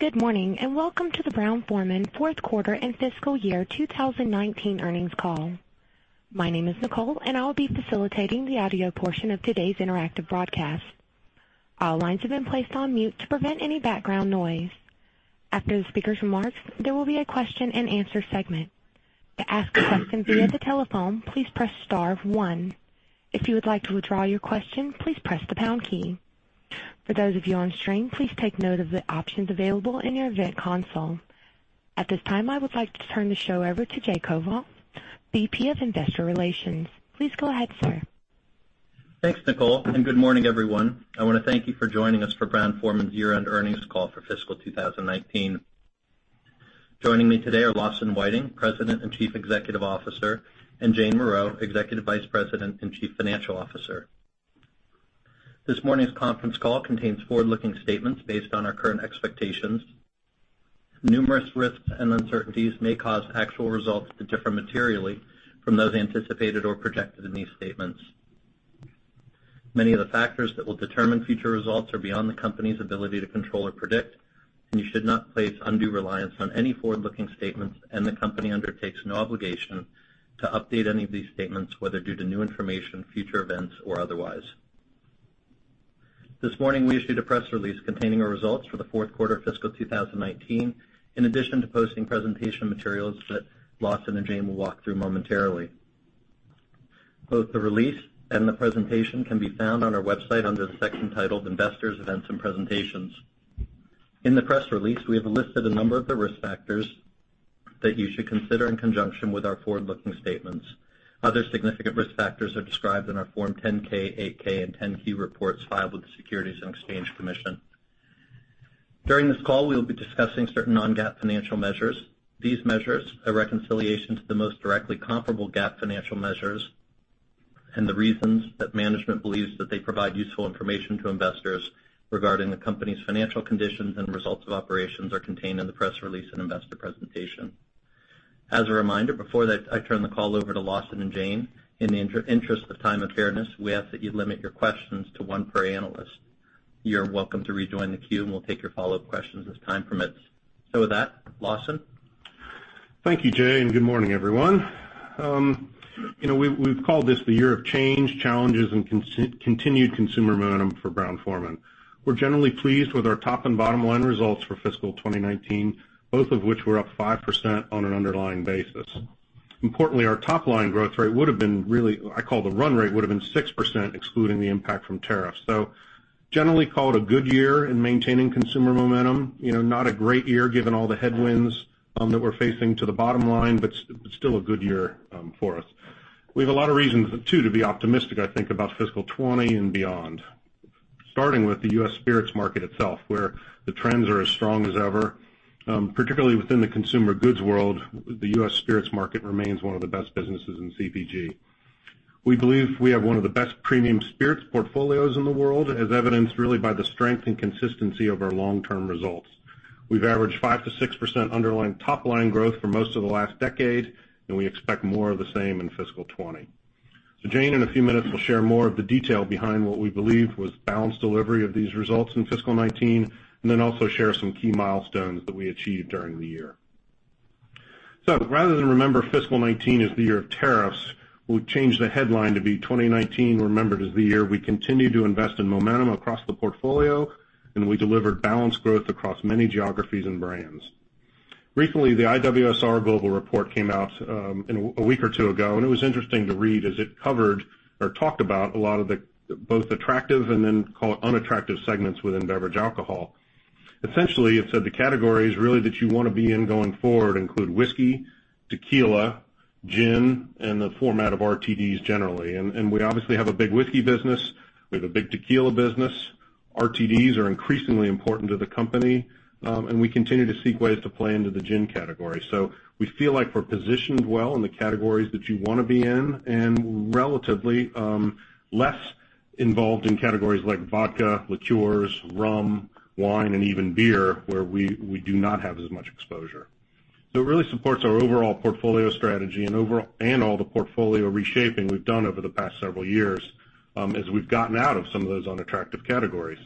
Good morning, welcome to the Brown-Forman fourth quarter and fiscal year 2019 earnings call. My name is Nicole, and I will be facilitating the audio portion of today's interactive broadcast. All lines have been placed on mute to prevent any background noise. After the speaker's remarks, there will be a question and answer segment. To ask a question via the telephone, please press star one. If you would like to withdraw your question, please press the pound key. For those of you on stream, please take note of the options available in your event console. At this time, I would like to turn the show over to Jay Koval, VP of Investor Relations. Please go ahead, sir. Thanks, Nicole, and good morning, everyone. I want to thank you for joining us for Brown-Forman's year-end earnings call for fiscal 2019. Joining me today are Lawson Whiting, President and Chief Executive Officer, and Jane Morreau, Executive Vice President and Chief Financial Officer. This morning's conference call contains forward-looking statements based on our current expectations. Numerous risks and uncertainties may cause actual results to differ materially from those anticipated or projected in these statements. Many of the factors that will determine future results are beyond the company's ability to control or predict, and you should not place undue reliance on any forward-looking statements, and the company undertakes no obligation to update any of these statements, whether due to new information, future events, or otherwise. This morning, we issued a press release containing our results for the fourth quarter of fiscal 2019, in addition to posting presentation materials that Lawson and Jane will walk through momentarily. Both the release and the presentation can be found on our website under the section titled Investors Events and Presentations. In the press release, we have listed a number of the risk factors that you should consider in conjunction with our forward-looking statements. Other significant risk factors are described in our Form 10-K, 8-K, and 10-Q reports filed with the Securities and Exchange Commission. During this call, we will be discussing certain non-GAAP financial measures. These measures are reconciliation to the most directly comparable GAAP financial measures, and the reasons that management believes that they provide useful information to investors regarding the company's financial conditions and results of operations are contained in the press release and investor presentation. As a reminder, before I turn the call over to Lawson and Jane, in the interest of time and fairness, we ask that you limit your questions to one per analyst. You're welcome to rejoin the queue, and we'll take your follow-up questions as time permits. With that, Lawson. Thank you, Jay, and good morning, everyone. We've called this the year of change, challenges, and continued consumer momentum for Brown-Forman. We're generally pleased with our top and bottom line results for fiscal 2019, both of which were up 5% on an underlying basis. Importantly, our top line growth rate would've been really, I call the run rate, would've been 6%, excluding the impact from tariffs. Generally call it a good year in maintaining consumer momentum. Not a great year given all the headwinds that we're facing to the bottom line, but still a good year for us. We have a lot of reasons, too, to be optimistic, I think, about fiscal 2020 and beyond. Starting with the U.S. spirits market itself, where the trends are as strong as ever. Particularly within the consumer goods world, the U.S. spirits market remains one of the best businesses in CPG. We believe we have one of the best premium spirits portfolios in the world, as evidenced really by the strength and consistency of our long-term results. We've averaged 5%-6% underlying top-line growth for most of the last decade, and we expect more of the same in fiscal 2020. Jane, in a few minutes, will share more of the detail behind what we believe was balanced delivery of these results in fiscal 2019, also share some key milestones that we achieved during the year. Rather than remember fiscal 2019 as the year of tariffs, we'll change the headline to be 2019 remembered as the year we continued to invest in momentum across the portfolio, and we delivered balanced growth across many geographies and brands. Recently, the IWSR Global Report came out a week or two ago, and it was interesting to read as it covered or talked about a lot of the both attractive and then call it unattractive segments within beverage alcohol. Essentially, it said the categories really that you want to be in going forward include whiskey, tequila, gin, and the format of RTDs generally. We obviously have a big whiskey business. We have a big tequila business. RTDs are increasingly important to the company. We continue to seek ways to play into the gin category. We feel like we're positioned well in the categories that you want to be in, and relatively less involved in categories like vodka, liqueurs, rum, wine, and even beer, where we do not have as much exposure. It really supports our overall portfolio strategy and all the portfolio reshaping we've done over the past several years as we've gotten out of some of those unattractive categories.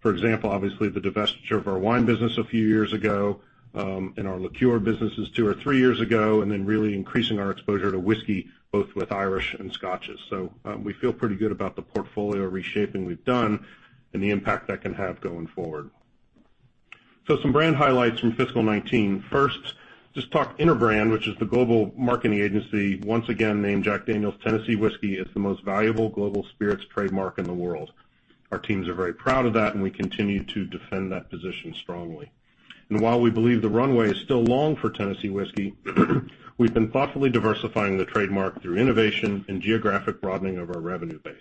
For example, obviously, the divestiture of our wine business a few years ago, our liqueur businesses two or three years ago, really increasing our exposure to whiskey, both with Irish and Scotches. We feel pretty good about the portfolio reshaping we've done and the impact that can have going forward. Some brand highlights from fiscal 2019. First, just talk Interbrand, which is the global marketing agency once again named Jack Daniel's Tennessee Whiskey as the most valuable global spirits trademark in the world. Our teams are very proud of that, and we continue to defend that position strongly. While we believe the runway is still long for Tennessee Whiskey, we've been thoughtfully diversifying the trademark through innovation and geographic broadening of our revenue base.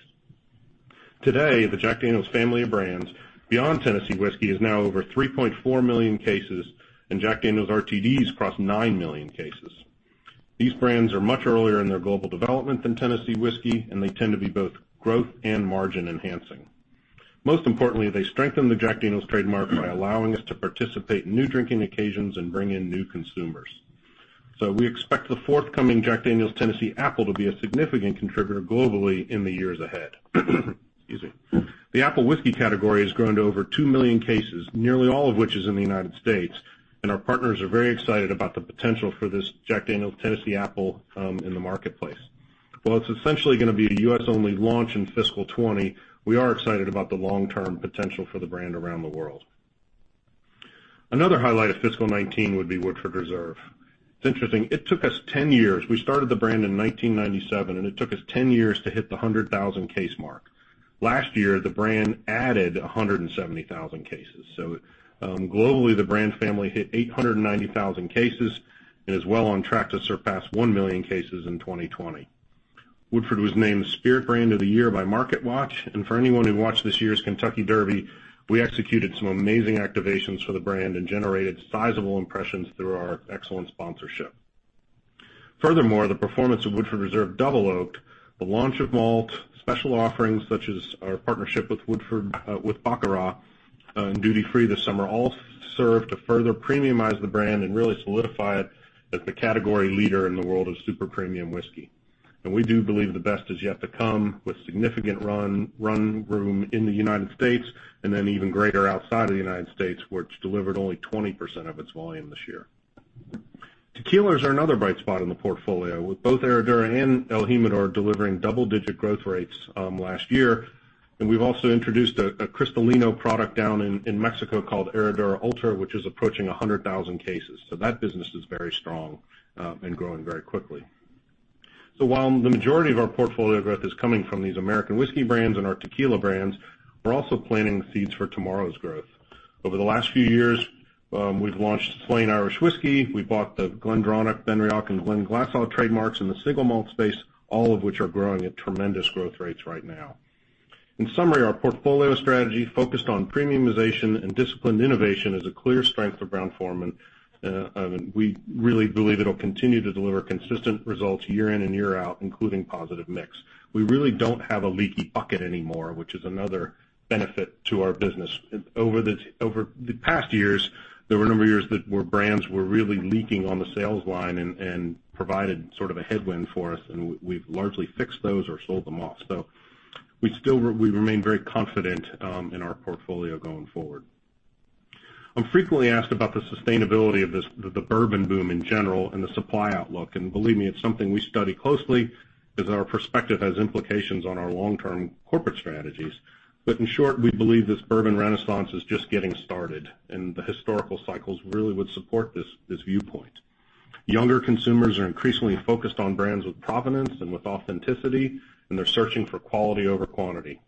Today, the Jack Daniel's family of brands beyond Tennessee Whiskey is now over 3.4 million cases, and Jack Daniel's RTDs cross 9 million cases. These brands are much earlier in their global development than Tennessee Whiskey, and they tend to be both growth and margin enhancing. Most importantly, they strengthen the Jack Daniel's trademark by allowing us to participate in new drinking occasions and bring in new consumers. We expect the forthcoming Jack Daniel's Tennessee Apple to be a significant contributor globally in the years ahead. Excuse me. The apple whiskey category has grown to over 2 million cases, nearly all of which is in the United States, and our partners are very excited about the potential for this Jack Daniel's Tennessee Apple in the marketplace. While it's essentially going to be a U.S.-only launch in fiscal 2020, we are excited about the long-term potential for the brand around the world. Another highlight of fiscal 2019 would be Woodford Reserve. It's interesting. It took us 10 years. We started the brand in 1997, and it took us 10 years to hit the 100,000 case mark. Last year, the brand added 170,000 cases. Globally, the brand family hit 890,000 cases and is well on track to surpass 1 million cases in 2020. Woodford was named Spirit Brand of the Year by MarketWatch, and for anyone who watched this year's Kentucky Derby, we executed some amazing activations for the brand and generated sizable impressions through our excellent sponsorship. Furthermore, the performance of Woodford Reserve Double Oaked, the launch of MALT, special offerings such as our partnership with Woodford with Baccarat in duty free this summer, all served to further premiumize the brand and really solidify it as the category leader in the world of super premium whiskey. We do believe the best is yet to come, with significant run room in the United States, and then even greater outside of the United States, where it's delivered only 20% of its volume this year. Tequilas are another bright spot in the portfolio, with both Herradura and el Jimador delivering double-digit growth rates last year. We've also introduced a cristalino product down in Mexico called Herradura Ultra, which is approaching 100,000 cases. That business is very strong and growing very quickly. While the majority of our portfolio growth is coming from these American whiskey brands and our tequila brands, we're also planting the seeds for tomorrow's growth. Over the last few years, we've launched Slane Irish Whiskey. We bought the GlenDronach, Benriach, and Glenglassaugh trademarks in the single malt space, all of which are growing at tremendous growth rates right now. In summary, our portfolio strategy, focused on premiumization and disciplined innovation, is a clear strength of Brown-Forman. We really believe it'll continue to deliver consistent results year in and year out, including positive mix. We really don't have a leaky bucket anymore, which is another benefit to our business. Over the past years, there were a number of years where brands were really leaking on the sales line and provided sort of a headwind for us. We've largely fixed those or sold them off. We remain very confident in our portfolio going forward. I'm frequently asked about the sustainability of the bourbon boom in general and the supply outlook. Believe me, it's something we study closely because our perspective has implications on our long-term corporate strategies. In short, we believe this bourbon renaissance is just getting started, and the historical cycles really would support this viewpoint. Younger consumers are increasingly focused on brands with provenance and with authenticity, and they're searching for quality over quantity.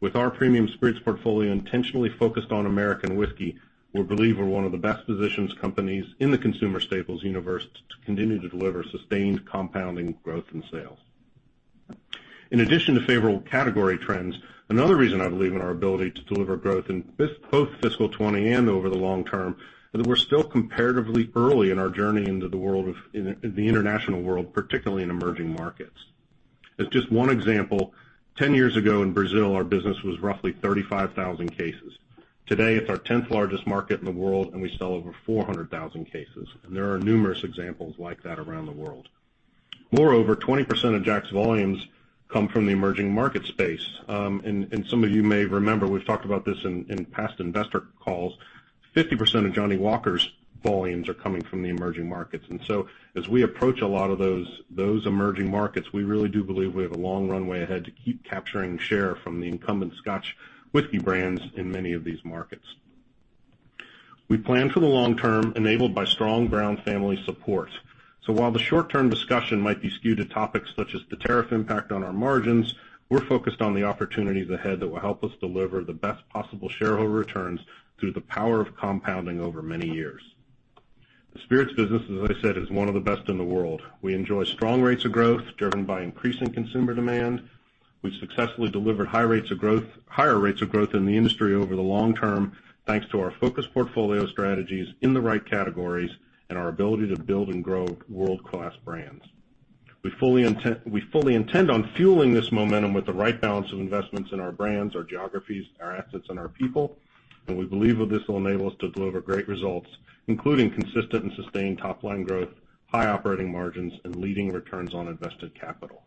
With our premium spirits portfolio intentionally focused on American whiskey, we believe we're one of the best-positioned companies in the consumer staples universe to continue to deliver sustained compounding growth in sales. In addition to favorable category trends, another reason I believe in our ability to deliver growth in both fiscal 2020 and over the long term, is that we're still comparatively early in our journey into the international world, particularly in emerging markets. As just one example, 10 years ago in Brazil, our business was roughly 35,000 cases. Today, it's our 10th largest market in the world, and we sell over 400,000 cases. There are numerous examples like that around the world. Moreover, 20% of Jack's volumes come from the emerging market space. Some of you may remember, we've talked about this in past investor calls, 50% of Johnnie Walker's volumes are coming from the emerging markets. As we approach a lot of those emerging markets, we really do believe we have a long runway ahead to keep capturing share from the incumbent Scotch whiskey brands in many of these markets. We plan for the long term, enabled by strong Brown-Forman family support. While the short-term discussion might be skewed to topics such as the tariff impact on our margins, we're focused on the opportunities ahead that will help us deliver the best possible shareholder returns through the power of compounding over many years. The spirits business, as I said, is one of the best in the world. We enjoy strong rates of growth driven by increasing consumer demand. We've successfully delivered higher rates of growth in the industry over the long term, thanks to our focused portfolio strategies in the right categories and our ability to build and grow world-class brands. We fully intend on fueling this momentum with the right balance of investments in our brands, our geographies, our assets, and our people. We believe that this will enable us to deliver great results, including consistent and sustained top-line growth, high operating margins, and leading returns on invested capital.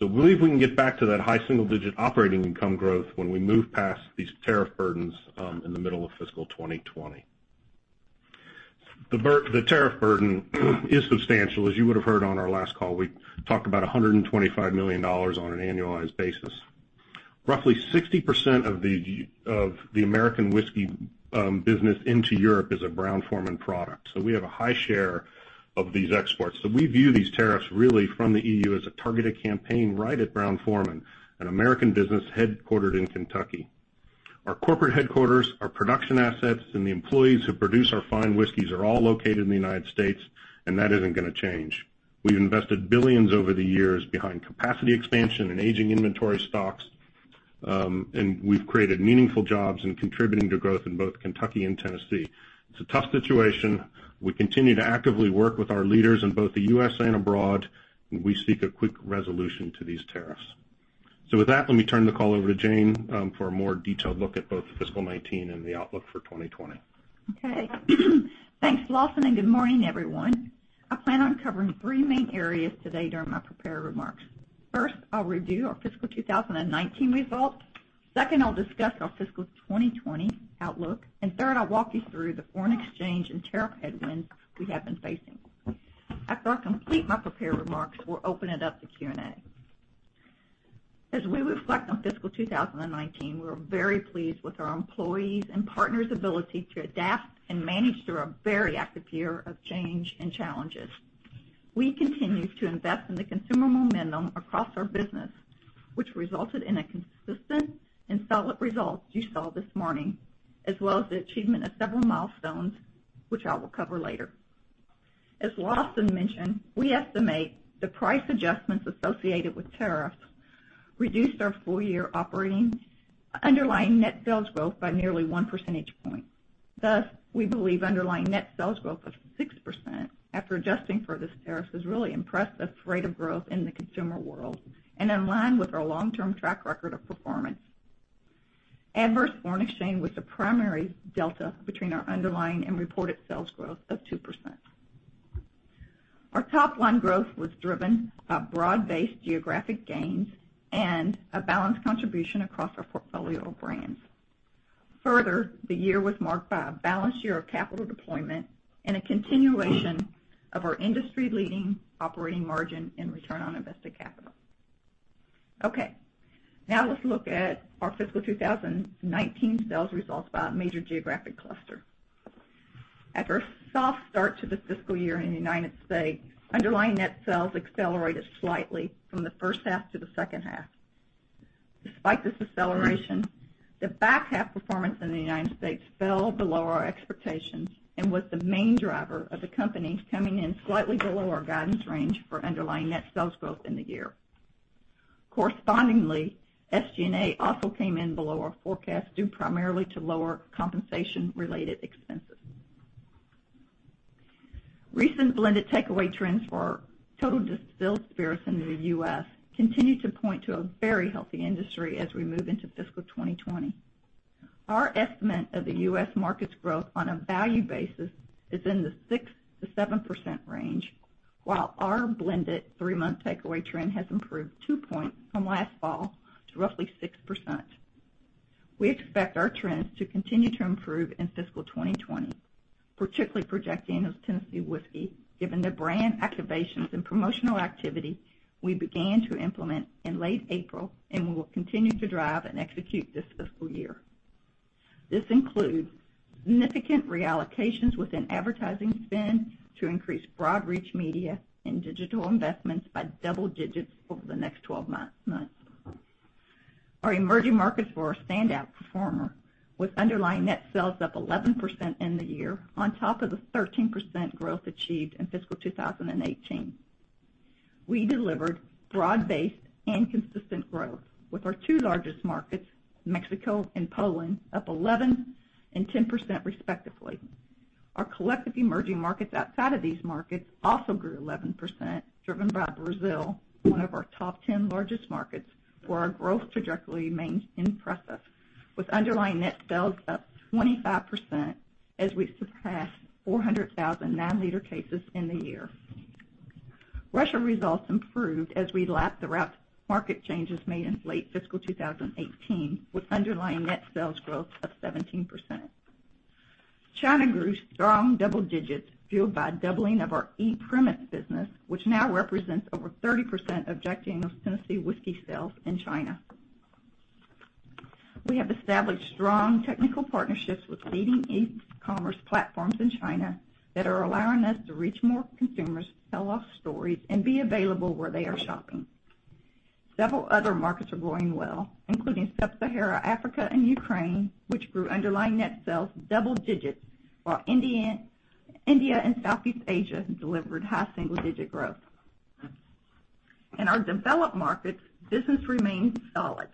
We believe we can get back to that high single-digit operating income growth when we move past these tariff burdens in the middle of fiscal 2020. The tariff burden is substantial. As you would have heard on our last call, we talked about $125 million on an annualized basis. Roughly 60% of the American whiskey business into Europe is a Brown-Forman product. We have a high share of these exports. We view these tariffs really from the EU as a targeted campaign right at Brown-Forman, an American business headquartered in Kentucky. Our corporate headquarters, our production assets, and the employees who produce our fine whiskeys are all located in the United States, and that isn't going to change. We've invested billions over the years behind capacity expansion and aging inventory stocks, and we've created meaningful jobs and contributing to growth in both Kentucky and Tennessee. It's a tough situation. We continue to actively work with our leaders in both the U.S. and abroad, and we seek a quick resolution to these tariffs. With that, let me turn the call over to Jane for a more detailed look at both fiscal 2019 and the outlook for 2020. Okay. Thanks, Lawson, and good morning, everyone. I plan on covering three main areas today during my prepared remarks. First, I'll review our fiscal 2019 results. Second, I'll discuss our fiscal 2020 outlook. Third, I'll walk you through the foreign exchange and tariff headwinds we have been facing. After I complete my prepared remarks, we'll open it up to Q&A. As we reflect on fiscal 2019, we're very pleased with our employees' and partners' ability to adapt and manage through a very active year of change and challenges. We continue to invest in the consumer momentum across our business, which resulted in a consistent and solid result you saw this morning, as well as the achievement of several milestones, which I will cover later. As Lawson mentioned, we estimate the price adjustments associated with tariffs reduced our full-year operating underlying net sales growth by nearly one percentage point. Thus, we believe underlying net sales growth of 6% after adjusting for this tariff is really impressive rate of growth in the consumer world and in line with our long-term track record of performance. Adverse foreign exchange was the primary delta between our underlying and reported sales growth of 2%. Our top line growth was driven by broad-based geographic gains and a balanced contribution across our portfolio of brands. Further, the year was marked by a balanced year of capital deployment and a continuation of our industry-leading operating margin and return on invested capital. Okay, now let's look at our fiscal 2019 sales results by major geographic cluster. After a soft start to the fiscal year in the United States, underlying net sales accelerated slightly from the first half to the second half. Despite this acceleration, the back half performance in the United States fell below our expectations and was the main driver of the company coming in slightly below our guidance range for underlying net sales growth in the year. Correspondingly, SG&A also came in below our forecast, due primarily to lower compensation-related expenses. Recent blended takeaway trends for total distilled spirits in the U.S. continue to point to a very healthy industry as we move into fiscal 2020. Our estimate of the U.S. market's growth on a value basis is in the 6%-7% range. While our blended three-month takeaway trend has improved two points from last fall to roughly 6%. We expect our trends to continue to improve in fiscal 2020, particularly for Jack Daniel's Tennessee Whiskey, given the brand activations and promotional activity we began to implement in late April and will continue to drive and execute this fiscal year. This includes significant reallocations within advertising spend to increase broad reach media and digital investments by double digits over the next 12 months. Our emerging markets were a standout performer, with underlying net sales up 11% in the year on top of the 13% growth achieved in fiscal 2018. We delivered broad-based and consistent growth with our two largest markets, Mexico and Poland, up 11% and 10% respectively. Our collective emerging markets outside of these markets also grew 11%, driven by Brazil, one of our top 10 largest markets, where our growth trajectory remains impressive, with underlying net sales up 25% as we surpassed 400,000 nine-liter cases in the year. Russia results improved as we lapped the route-to-market changes made in late fiscal 2018, with underlying net sales growth of 17%. China grew strong double digits, fueled by a doubling of our e-premise business, which now represents over 30% of Jack Daniel's Tennessee Whiskey sales in China. We have established strong technical partnerships with leading e-commerce platforms in China that are allowing us to reach more consumers, tell our stories, and be available where they are shopping. Several other markets are growing well, including Sub-Sahara Africa and Ukraine, which grew underlying net sales double digits, while India and Southeast Asia delivered high single-digit growth. In our developed markets, business remains solid,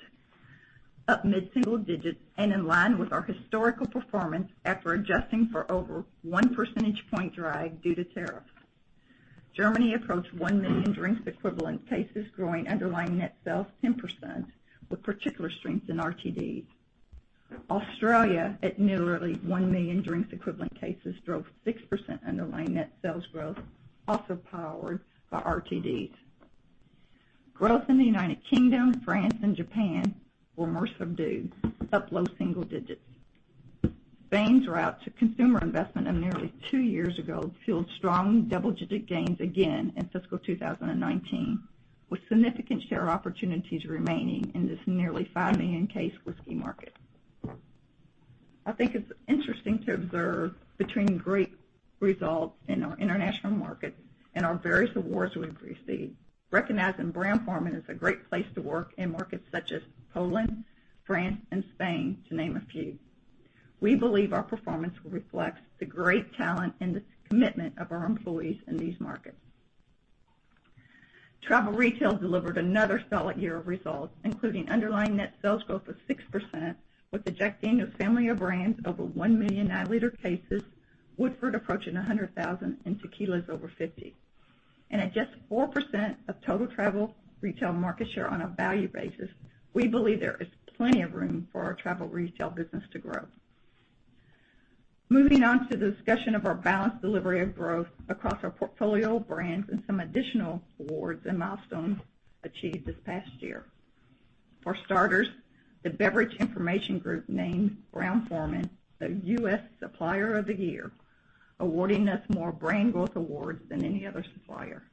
up mid-single digits and in line with our historical performance after adjusting for over one percentage point drag due to tariffs. Germany approached 1 million drinks equivalent cases, growing underlying net sales 10%, with particular strength in RTDs. Australia, at nearly 1 million drinks equivalent cases, drove 6% underlying net sales growth, also powered by RTDs. Growth in the United Kingdom, France, and Japan were more subdued, up low single digits. Spain's route-to-consumer investment of nearly two years ago fueled strong double-digit gains again in fiscal 2019, with significant share opportunities remaining in this nearly 5 million case whiskey market. I think it's interesting to observe between great results in our international markets and our various awards we've received, recognizing Brown-Forman as a great place to work in markets such as Poland, France, and Spain, to name a few. We believe our performance reflects the great talent and the commitment of our employees in these markets. Travel retail delivered another solid year of results, including underlying net sales growth of 6%, with the Jack Daniel's family of brands over 1 million nine-liter cases Woodford approaching 100,000, and tequilas over 50. And at just 4% of total travel retail market share on a value basis, we believe there is plenty of room for our travel retail business to grow. Moving on to the discussion of our balanced delivery of growth across our portfolio of brands and some additional awards and milestones achieved this past year. For starters, the Beverage Information Group named Brown-Forman the U.S. Supplier of the Year, awarding us more brand growth awards than any other supplier.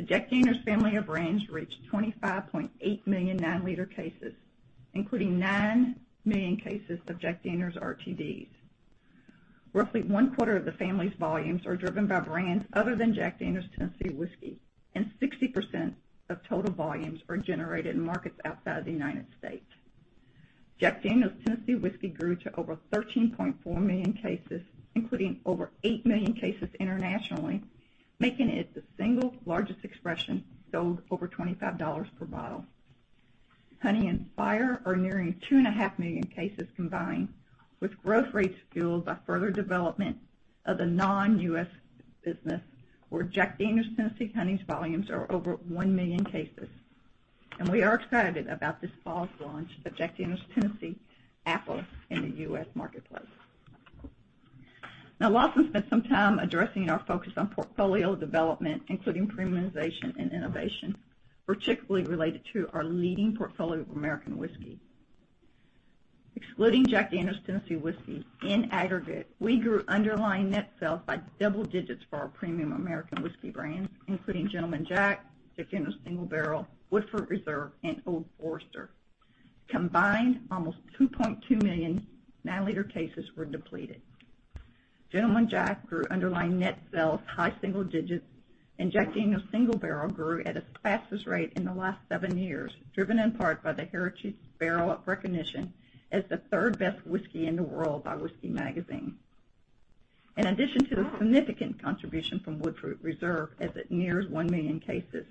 The Jack Daniel's family of brands reached 25.8 million nine-liter cases, including 9 million cases of Jack Daniel's RTDs. Roughly one-quarter of the family's volumes are driven by brands other than Jack Daniel's Tennessee Whiskey, and 60% of total volumes are generated in markets outside the U.S. Jack Daniel's Tennessee Whiskey grew to over 13.4 million cases, including over 8 million cases internationally, making it the single largest expression sold over $25 per bottle. Honey and Fire are nearing two and a half million cases combined, with growth rates fueled by further development of the non-U.S. business, where Jack Daniel's Tennessee Honey's volumes are over 1 million cases. We are excited about this fall's launch of Jack Daniel's Tennessee Apple in the U.S. marketplace. Lawson spent some time addressing our focus on portfolio development, including premiumization and innovation, particularly related to our leading portfolio of American whiskey. Excluding Jack Daniel's Tennessee Whiskey, in aggregate, we grew underlying net sales by double digits for our premium American whiskey brands, includingGentleman Jack, Jack Daniel's Single Barrel, Woodford Reserve, and Old Forester. Combined, almost 2.2 million nine-liter cases were depleted. Gentleman Jack grew underlying net sales high single digits. Jack Daniel's Single Barrel grew at its fastest rate in the last 7 years, driven in part by the Heritage Barrel recognition as the third best whiskey in the world by Whisky Magazine. In addition to the significant contribution from Woodford Reserve as it nears 1 million cases,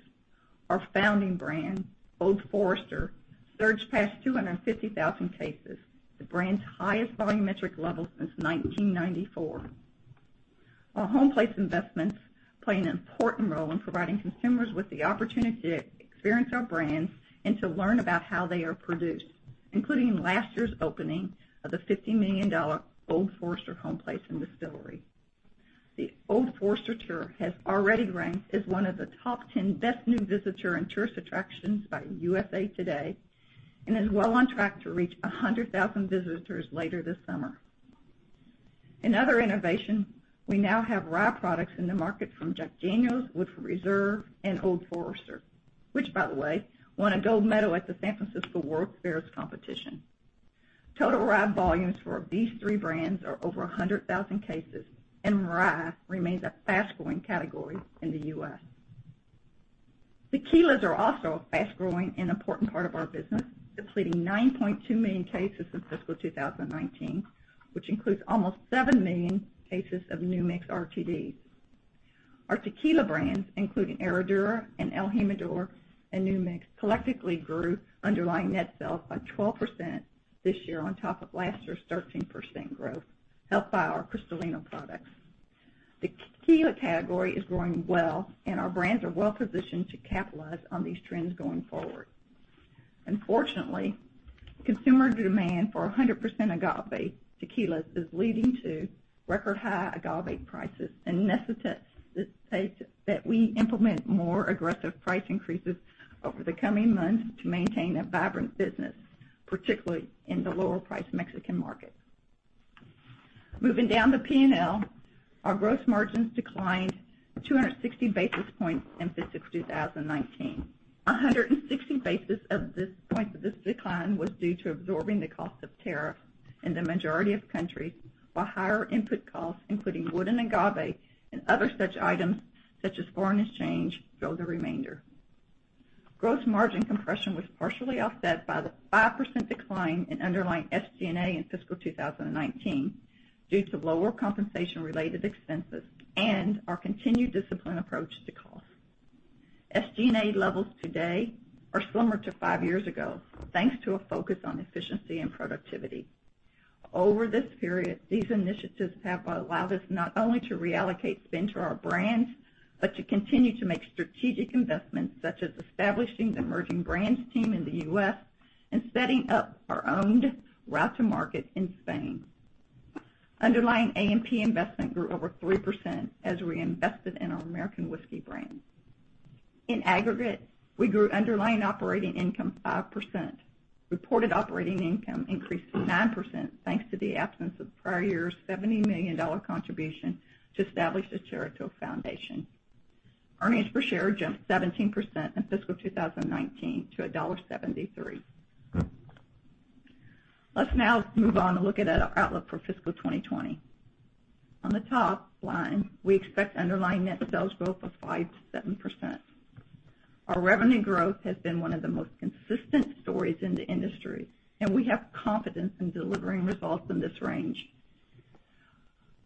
our founding brand, Old Forester, surged past 250,000 cases, the brand's highest volume metric level since 1994. Our home place investments play an important role in providing consumers with the opportunity to experience our brands and to learn about how they are produced, including last year's opening of the $50 million Old Forester Homeplace and Distillery. The Old Forester Tour has already ranked as one of the top 10 best new visitor and tourist attractions by USA Today and is well on track to reach 100,000 visitors later this summer. In other innovation, we now have rye products in the market from Jack Daniel's, Woodford Reserve, and Old Forester, which, by the way, won a gold medal at the San Francisco World Spirits Competition. Total rye volumes for these three brands are over 100,000 cases, and rye remains a fast-growing category in the U.S. Tequilas are also a fast-growing and important part of our business, depleting 9.2 million cases in fiscal 2019, which includes almost 7 million cases of New Mix RTDs. Our tequila brands, including Herradura and el Jimador and New Mix, collectively grew underlying net sales by 12% this year on top of last year's 13% growth, helped by our Cristalino products. The tequila category is growing well, and our brands are well positioned to capitalize on these trends going forward. Unfortunately, consumer demand for 100% agave tequilas is leading to record high agave prices and necessitates that we implement more aggressive price increases over the coming months to maintain a vibrant business, particularly in the lower price Mexican market. Moving down to P&L, our gross margins declined 260 basis points in fiscal 2019. 160 basis points of this decline was due to absorbing the cost of tariffs in the majority of countries, while higher input costs, including wood and agave and other such items such as foreign exchange, drove the remainder. Gross margin compression was partially offset by the 5% decline in underlying SG&A in fiscal 2019 due to lower compensation related expenses and our continued disciplined approach to cost. SG&A levels today are similar to five years ago, thanks to a focus on efficiency and productivity. Over this period, these initiatives have allowed us not only to reallocate spend to our brands, but to continue to make strategic investments such as establishing the emerging brands team in the U.S. and setting up our own route to market in Spain. Underlying A&P investment grew over 3% as we invested in our American whiskey brands. In aggregate, we grew underlying operating income 5%. Reported operating income increased 9%, thanks to the absence of prior year's $70 million contribution to establish the Brown-Forman Foundation. Earnings per share jumped 17% in fiscal 2019 to $1.73. Let's now move on and look at our outlook for fiscal 2020. On the top line, we expect underlying net sales growth of 5%-7%. Our revenue growth has been one of the most consistent stories in the industry, and we have confidence in delivering results in this range.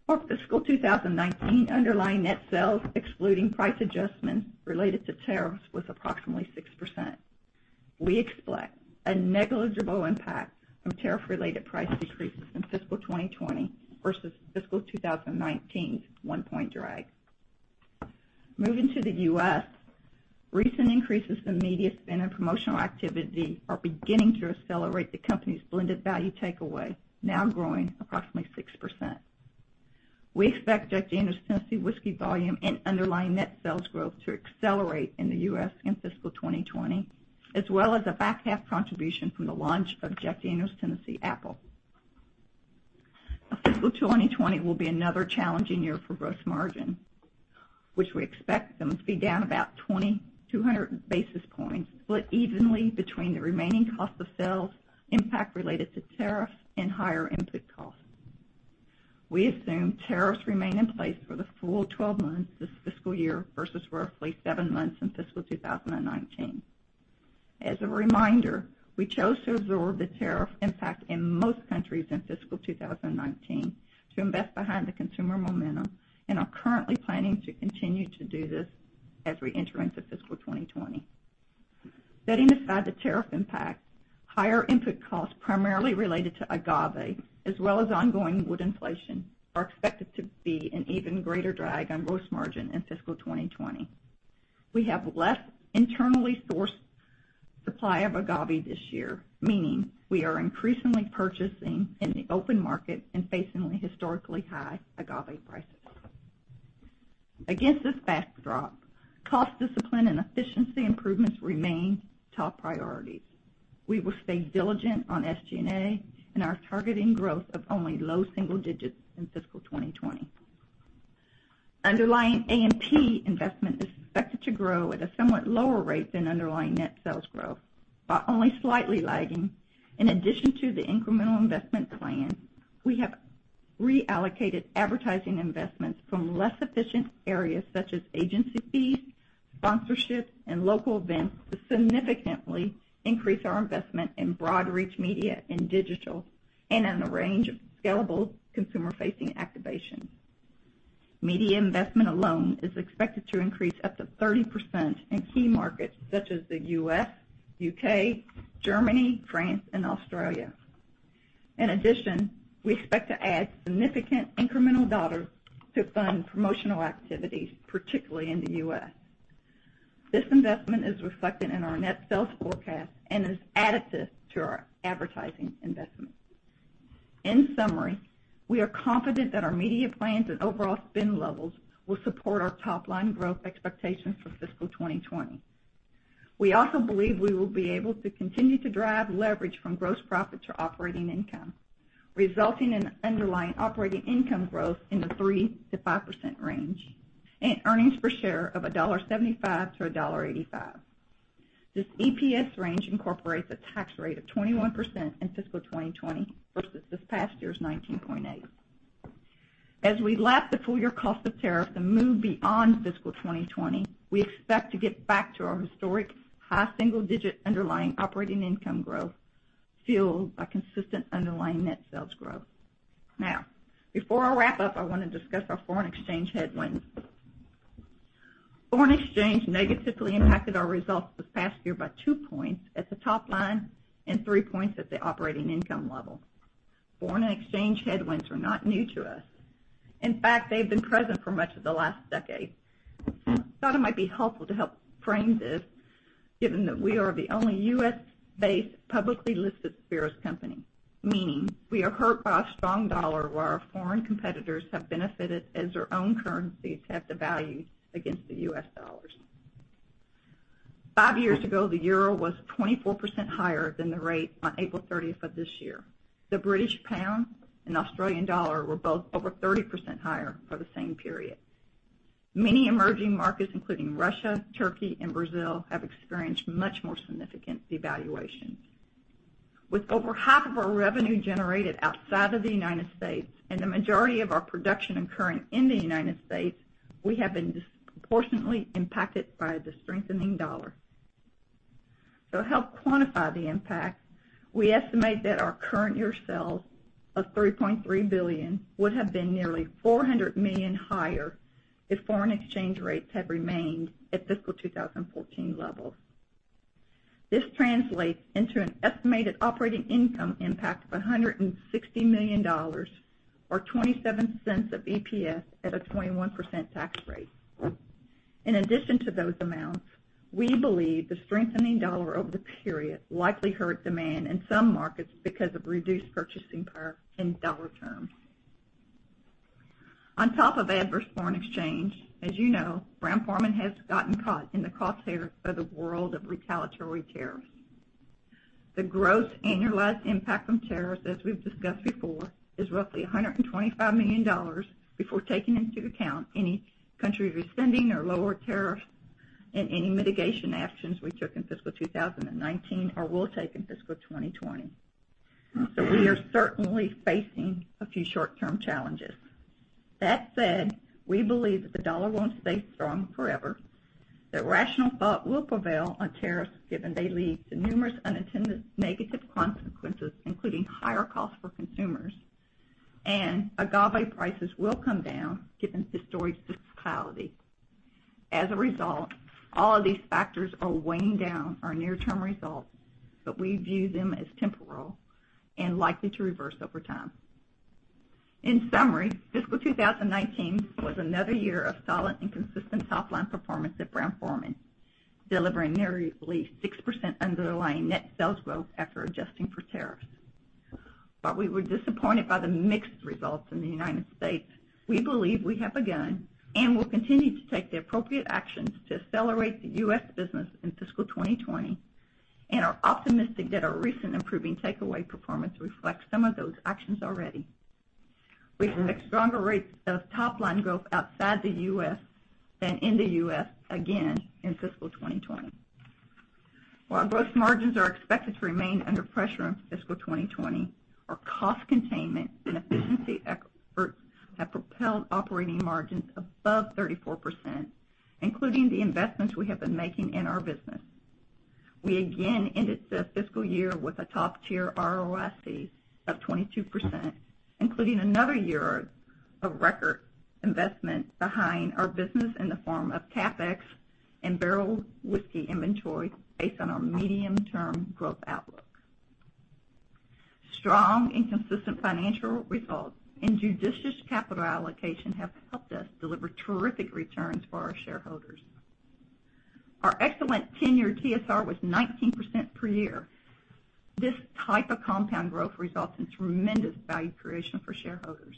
For fiscal 2019, underlying net sales, excluding price adjustments related to tariffs, was approximately 6%. We expect a negligible impact from tariff-related price decreases in fiscal 2020 versus fiscal 2019's one percentage point drag. Moving to the U.S., recent increases in media spend and promotional activity are beginning to accelerate the company's blended value takeaway, now growing approximately 6%. We expect Jack Daniel's Tennessee Whiskey volume and underlying net sales growth to accelerate in the U.S. in fiscal 2020, as well as a back half contribution from the launch of Jack Daniel's Tennessee Apple. Fiscal 2020 will be another challenging year for gross margin, which we expect them to be down about 200 basis points, split evenly between the remaining cost of sales impact related to tariffs and higher input costs. We assume tariffs remain in place for the full 12 months this fiscal year versus roughly seven months in fiscal 2019. As a reminder, we chose to absorb the tariff impact in most countries in fiscal 2019 to invest behind the consumer momentum and are currently planning to continue to do this as we enter into fiscal 2020. Setting aside the tariffs impact, higher input costs, primarily related to agave, as well as ongoing wood inflation, are expected to be an even greater drag on gross margin in fiscal 2020. We have less internally sourced supply of agave this year, meaning we are increasingly purchasing in the open market and facing historically high agave prices. Against this backdrop, cost discipline and efficiency improvements remain top priorities. We will stay diligent on SG&A and are targeting growth of only low single digits in fiscal 2020. Underlying A&P investment is expected to grow at a somewhat lower rate than underlying net sales growth, while only slightly lagging. In addition to the incremental investment plan, we have reallocated advertising investments from less efficient areas such as agency fees, sponsorships, and local events, to significantly increase our investment in broad reach media and digital and in a range of scalable consumer-facing activations. Media investment alone is expected to increase up to 30% in key markets such as the U.S., U.K., Germany, France, and Australia. In addition, we expect to add significant incremental dollars to fund promotional activities, particularly in the U.S. This investment is reflected in our net sales forecast and is additive to our advertising investments. In summary, we are confident that our media plans and overall spend levels will support our top-line growth expectations for fiscal 2020. We also believe we will be able to continue to drive leverage from gross profit to operating income, resulting in underlying operating income growth in the 3%-5% range and earnings per share of $1.75-$1.85. This EPS range incorporates a tax rate of 21% in fiscal 2020 versus this past year's 19.8%. As we lap the full year cost of tariff and move beyond fiscal 2020, we expect to get back to our historic high single-digit underlying operating income growth, fueled by consistent underlying net sales growth. Now, before I wrap up, I want to discuss our foreign exchange headwinds. Foreign exchange negatively impacted our results this past year by two points at the top line and three points at the operating income level. Foreign exchange headwinds are not new to us. In fact, they've been present for much of the last decade. I thought it might be helpful to help frame this, given that we are the only U.S.-based, publicly listed spirits company, meaning we are hurt by a strong dollar while our foreign competitors have benefited as their own currencies have devalued against the U.S. dollars. Five years ago, the EUR was 24% higher than the rate on April 30th of this year. The GBP and AUD were both over 30% higher for the same period. Many emerging markets, including Russia, Turkey, and Brazil, have experienced much more significant devaluation. With over half of our revenue generated outside of the U.S. and the majority of our production occurring in the U.S., we have been disproportionately impacted by the strengthening dollar. To help quantify the impact, we estimate that our current year sales of $3.3 billion would have been nearly $400 million higher if foreign exchange rates had remained at fiscal 2014 levels. This translates into an estimated operating income impact of $160 million or $0.27 of EPS at a 21% tax rate. In addition to those amounts, we believe the strengthening dollar over the period likely hurt demand in some markets because of reduced purchasing power in dollar terms. On top of adverse foreign exchange, as you know, Brown-Forman has gotten caught in the crosshairs of the world of retaliatory tariffs. The gross annualized impact from tariffs, as we've discussed before, is roughly $125 million before taking into account any country rescinding or lower tariff and any mitigation actions we took in fiscal 2019 or will take in fiscal 2020. We are certainly facing a few short-term challenges. That said, we believe that the dollar won't stay strong forever, that rational thought will prevail on tariffs, given they lead to numerous unintended negative consequences, including higher costs for consumers. Agave prices will come down given historic seasonality. All of these factors are weighing down our near-term results, but we view them as temporal and likely to reverse over time. In summary, fiscal 2019 was another year of solid and consistent top-line performance at Brown-Forman, delivering nearly 6% underlying net sales growth after adjusting for tariffs. We were disappointed by the mixed results in the U.S. We believe we have begun and will continue to take the appropriate actions to accelerate the U.S. business in fiscal 2020, and are optimistic that our recent improving takeaway performance reflects some of those actions already. We expect stronger rates of top-line growth outside the U.S. than in the U.S. again in fiscal 2020. While gross margins are expected to remain under pressure in fiscal 2020, our cost containment and efficiency efforts have propelled operating margins above 34%, including the investments we have been making in our business. We again ended the fiscal year with a top-tier ROIC of 22%, including another year of record investment behind our business in the form of CapEx and barrel whiskey inventory based on our medium-term growth outlook. Strong and consistent financial results and judicious capital allocation have helped us deliver terrific returns for our shareholders. Our excellent 10-year TSR was 19% per year. This type of compound growth results in tremendous value creation for shareholders.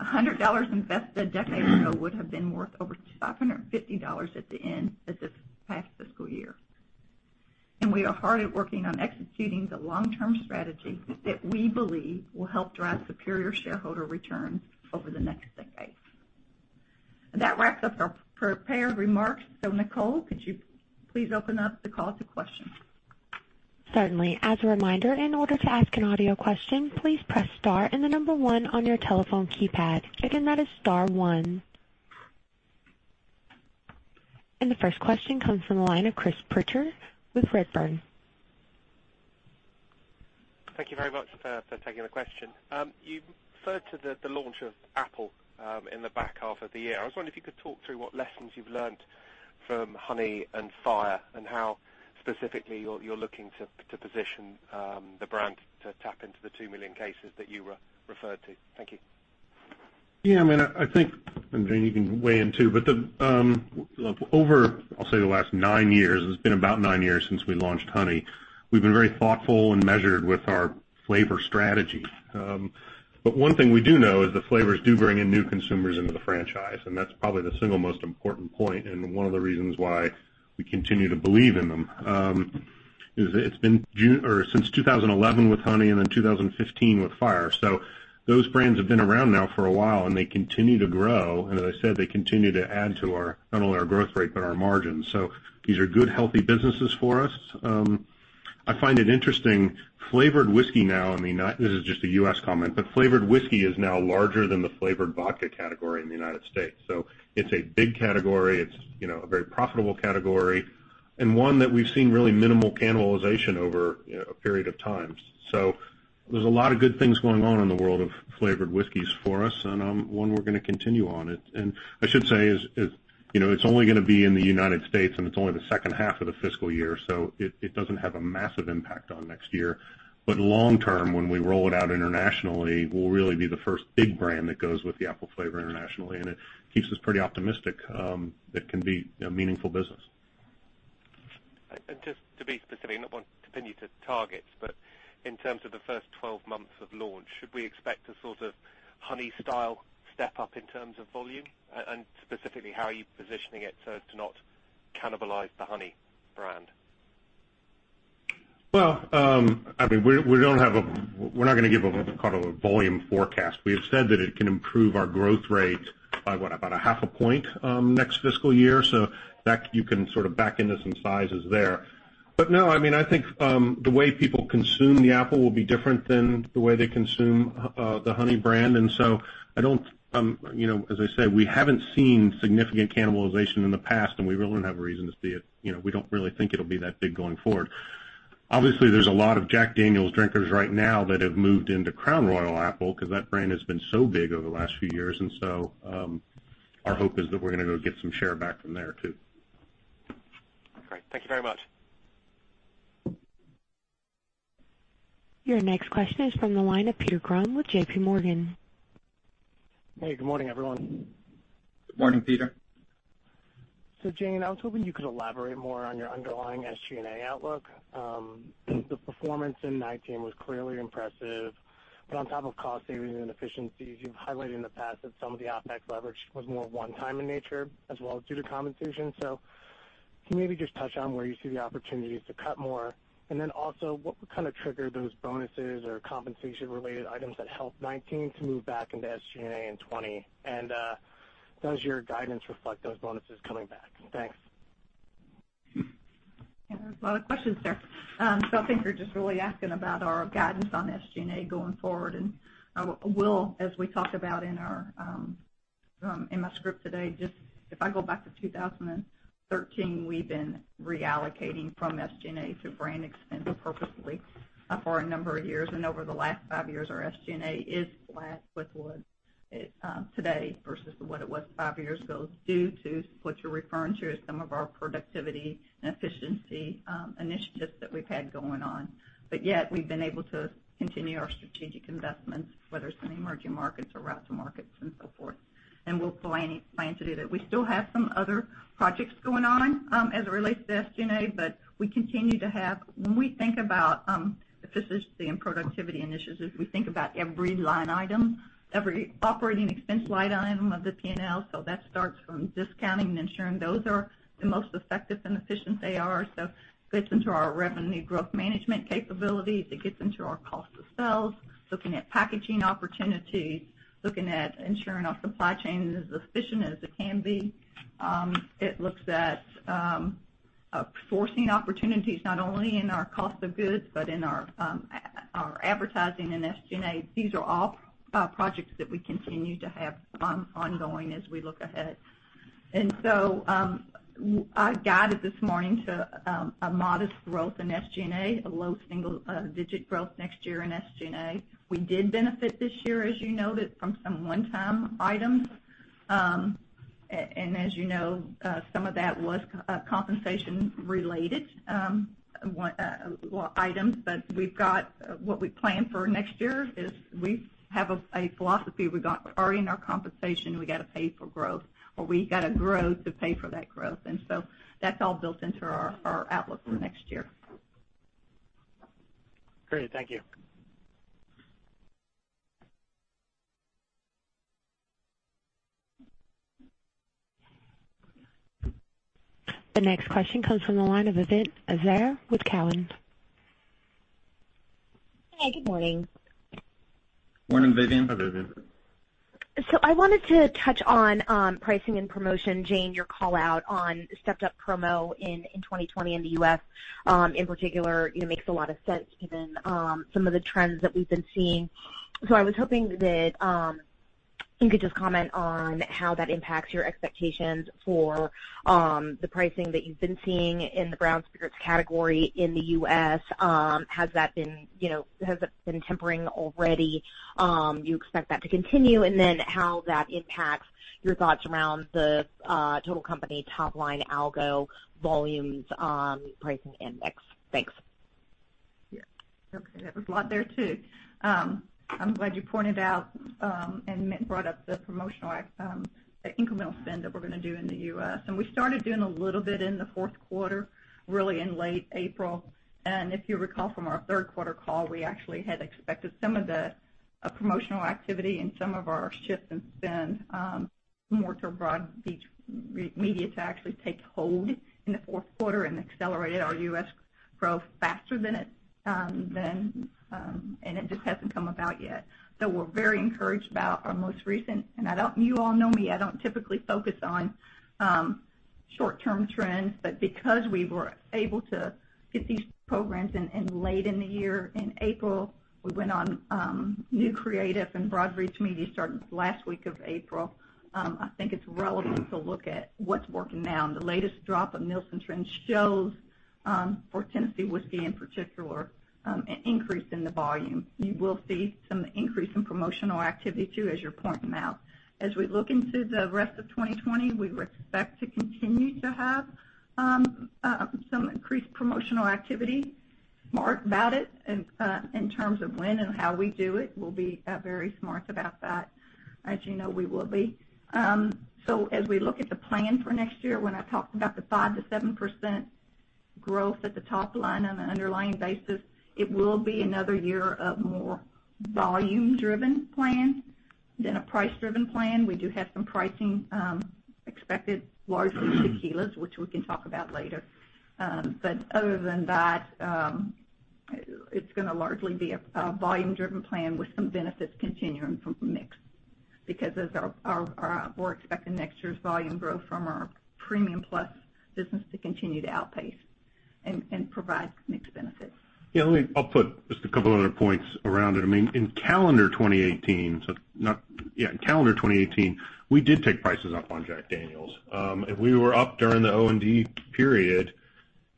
$100 invested a decade ago would have been worth over $550 at the end of this past fiscal year. We are hard at work on executing the long-term strategy that we believe will help drive superior shareholder returns over the next decade. That wraps up our prepared remarks. Nicole, could you please open up the call to questions? Certainly. As a reminder, in order to ask an audio question, please press star and the number 1 on your telephone keypad. Again, that is star 1. The first question comes from the line of Chris Pitcher with Redburn. Thank you very much for taking the question. You referred to the launch of Apple in the back half of the year. I was wondering if you could talk through what lessons you've learned from Honey and Fire, and how specifically you're looking to position the brand to tap into the 2 million cases that you referred to. Thank you. Yeah. Jane, you can weigh in, too, but over, I'll say the last nine years, it's been about nine years since we launched Honey, we've been very thoughtful and measured with our flavor strategy. One thing we do know is that flavors do bring in new consumers into the franchise, and that's probably the single most important point and one of the reasons why we continue to believe in them, is it's been June or since 2011 with Honey and then 2015 with Fire. Those brands have been around now for a while, and they continue to grow. As I said, they continue to add to not only our growth rate, but our margins. These are good, healthy businesses for us. I find it interesting, flavored whiskey now, this is just a U.S. comment, but flavored whiskey is now larger than the flavored vodka category in the U.S. It's a big category, it's a very profitable category, and one that we've seen really minimal cannibalization over a period of time. There's a lot of good things going on in the world of flavored whiskeys for us, and one we're going to continue on. I should say, it's only going to be in the U.S., and it's only the second half of the fiscal year, so it doesn't have a massive impact on next year. Long term, when we roll it out internationally, we'll really be the first big brand that goes with the Apple flavor internationally, and it keeps us pretty optimistic that it can be a meaningful business. Just to be specific, not wanting to pin you to targets, but in terms of the first 12 months of launch, should we expect a sort of Honey style step-up in terms of volume? Specifically, how are you positioning it so as to not cannibalize the Honey brand? Well, we're not going to give what we call a volume forecast. We have said that it can improve our growth rate by, what, about a half a point next fiscal year. You can sort of back into some sizes there. No, I think the way people consume the Apple will be different than the way they consume the Honey brand. As I said, we haven't seen significant cannibalization in the past, and we really don't have a reason to see it. We don't really think it'll be that big going forward. Obviously, there's a lot of Jack Daniel's drinkers right now that have moved into Crown Royal Apple because that brand has been so big over the last few years. Our hope is that we're going to go get some share back from there, too. Great. Thank you very much. Your next question is from the line of Peter Grom with JPMorgan. Hey, good morning, everyone. Good morning, Peter. Jane, I was hoping you could elaborate more on your underlying SG&A outlook. The performance in 2019 was clearly impressive, but on top of cost savings and efficiencies, you've highlighted in the past that some of the OpEx leverage was more one-time in nature as well as due to compensation. Can you maybe just touch on where you see the opportunities to cut more? And then also, what would kind of trigger those bonuses or compensation-related items that helped 2019 to move back into SG&A in 2020? And does your guidance reflect those bonuses coming back? Thanks. Yeah, there's a lot of questions there. I think you're just really asking about our guidance on SG&A going forward. Well, as we talked about In my script today, if I go back to 2013, we've been reallocating from SG&A to brand expense purposefully for a number of years. Over the last five years, our SG&A is flat with where it is today versus what it was five years ago, due to what you're referring to as some of our productivity and efficiency initiatives that we've had going on. Yet, we've been able to continue our strategic investments, whether it's in emerging markets or route to markets and so forth. We'll plan to do that. We still have some other projects going on as it relates to SG&A. When we think about efficiency and productivity initiatives, we think about every line item, every operating expense line item of the P&L. That starts from discounting and ensuring those are the most effective and efficient they are. It gets into our revenue growth management capabilities. It gets into our cost of sales, looking at packaging opportunities, looking at ensuring our supply chain is as efficient as it can be. It looks at forcing opportunities not only in our cost of goods, but in our advertising and SG&A. These are all projects that we continue to have ongoing as we look ahead. I guided this morning to a modest growth in SG&A, a low single-digit growth next year in SG&A. We did benefit this year, as you noted, from some one-time items. As you know, some of that was compensation-related items. What we plan for next year is we have a philosophy. Already in our compensation, we got to pay for growth, or we got to grow to pay for that growth. That's all built into our outlook for next year. Great. Thank you. The next question comes from the line of Vivien Azer with Cowen. Hi, good morning. Morning, Vivien. Hi there, Vivien. I wanted to touch on pricing and promotion. Jane, your call out on stepped up promo in 2020 in the U.S. in particular, it makes a lot of sense given some of the trends that we've been seeing. I was hoping that you could just comment on how that impacts your expectations for the pricing that you've been seeing in the Brown-Forman Spirits category in the U.S. Has that been tempering already? Do you expect that to continue? How that impacts your thoughts around the total company top-line algo, volumes on pricing index. Thanks. Yeah. Okay. There was a lot there, too. I'm glad you pointed out, and Mitch brought up the promotional incremental spend that we're going to do in the U.S. We started doing a little bit in the fourth quarter, really in late April. If you recall from our third quarter call, we actually had expected some of the promotional activity and some of our shift in spend, more to broad reach media to actually take hold in the fourth quarter and accelerated our U.S. growth faster than. It just hasn't come about yet. We're very encouraged about our most recent. You all know me, I don't typically focus on short-term trends, but because we were able to get these programs in late in the year in April, we went on new creative and broad reach media starting last week of April. I think it's relevant to look at what's working now. The latest drop of Nielsen trends shows for Tennessee Whiskey in particular, an increase in the volume. You will see some increase in promotional activity, too, as you're pointing out. As we look into the rest of 2020, we would expect to continue to have some increased promotional activity. Smart about it in terms of when and how we do it. We'll be very smart about that. As you know, we will be. As we look at the plan for next year, when I talked about the 5%-7% growth at the top line on an underlying basis, it will be another year of more volume-driven plan than a price-driven plan. We do have some pricing expected, largely tequilas, which we can talk about later. Other than that, it's going to largely be a volume-driven plan with some benefits continuing from mix because as we're expecting next year's volume growth from our premium plus business to continue to outpace and provide mix benefits. Yeah. I'll put just a couple other points around it. In calendar 2018, we did take prices up on Jack Daniel's. We were up during the O&D period.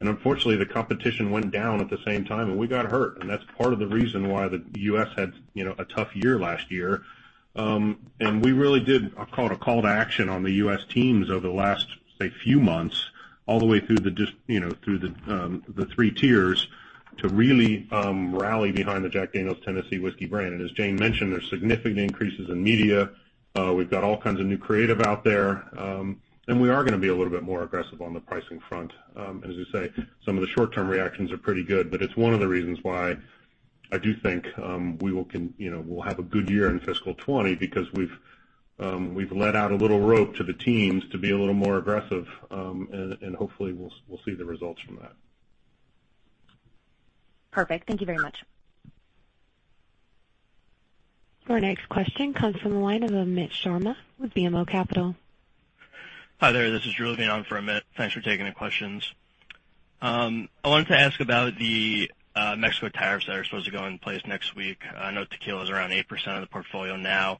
Unfortunately, the competition went down at the same time, and we got hurt. That's part of the reason why the U.S. had a tough year last year. We really did a call to action on the U.S. teams over the last, say, few months, all the way through the three tiers, to really rally behind the Jack Daniel's Tennessee Whiskey brand. As Jane mentioned, there's significant increases in media. We've got all kinds of new creative out there. We are going to be a little bit more aggressive on the pricing front. As you say, some of the short-term reactions are pretty good, but it's one of the reasons why I do think we'll have a good year in fiscal 2020 because we've let out a little rope to the teams to be a little more aggressive. Hopefully, we'll see the results from that. Perfect. Thank you very much. Our next question comes from the line of Amit Sharma with BMO Capital. Hi there. This is Drew Levine on for Amit. Thanks for taking the questions. I wanted to ask about the Mexico tariffs that are supposed to go in place next week. I know tequila is around 8% of the portfolio now.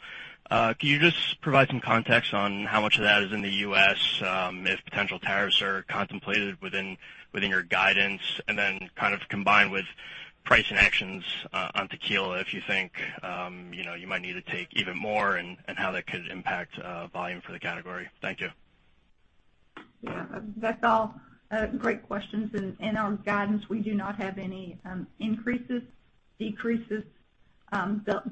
Can you just provide some context on how much of that is in the U.S., if potential tariffs are contemplated within your guidance, and then combined with pricing actions on tequila, if you think you might need to take even more, and how that could impact volume for the category? Thank you. Yeah. That is all great questions. In our guidance, we do not have any increases, decreases,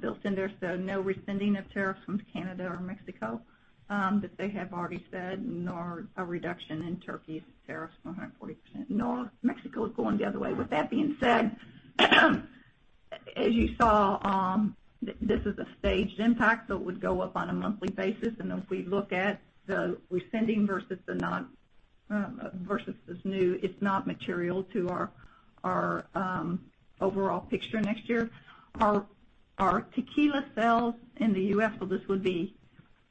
built in there, so no resending of tariffs from Canada or Mexico, but they have already said nor a reduction in Turkey's tariffs from 140%, nor Mexico is going the other way. With that being said, as you saw, this is a staged impact, so it would go up on a monthly basis. If we look at the resending versus this new, it is not material to our overall picture next year. Our tequila sales in the U.S., so this would be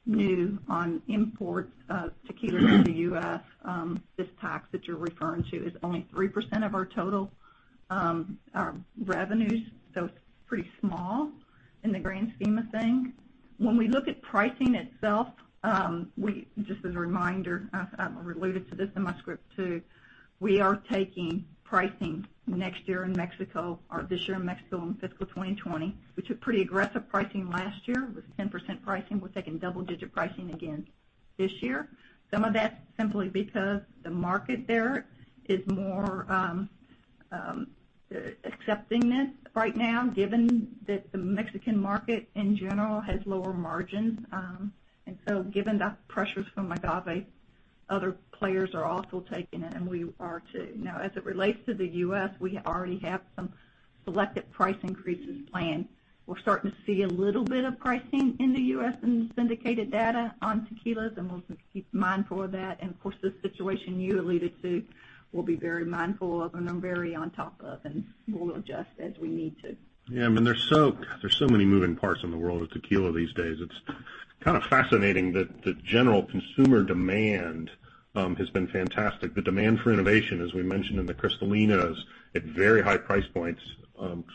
new on imports of tequila to the U.S., this tax that you are referring to is only 3% of our total revenues. It is pretty small in the grand scheme of things. When we look at pricing itself, just as a reminder, I alluded to this in my script, too. We are taking pricing next year in Mexico or this year in Mexico and fiscal 2020. We took pretty aggressive pricing last year with 10% pricing. We're taking double-digit pricing again this year. Some of that's simply because the market there is more accepting it right now, given that the Mexican market, in general, has lower margins. Given the pressures from agave, other players are also taking it, and we are, too. As it relates to the U.S., we already have some selected price increases planned. We're starting to see a little bit of pricing in the U.S. in syndicated data on tequilas, and we'll keep mindful of that. This situation you alluded to, we'll be very mindful of and are very on top of, and we'll adjust as we need to. There's so many moving parts in the world of tequila these days. It's kind of fascinating that the general consumer demand has been fantastic. The demand for innovation, as we mentioned in the Cristalinos, at very high price points,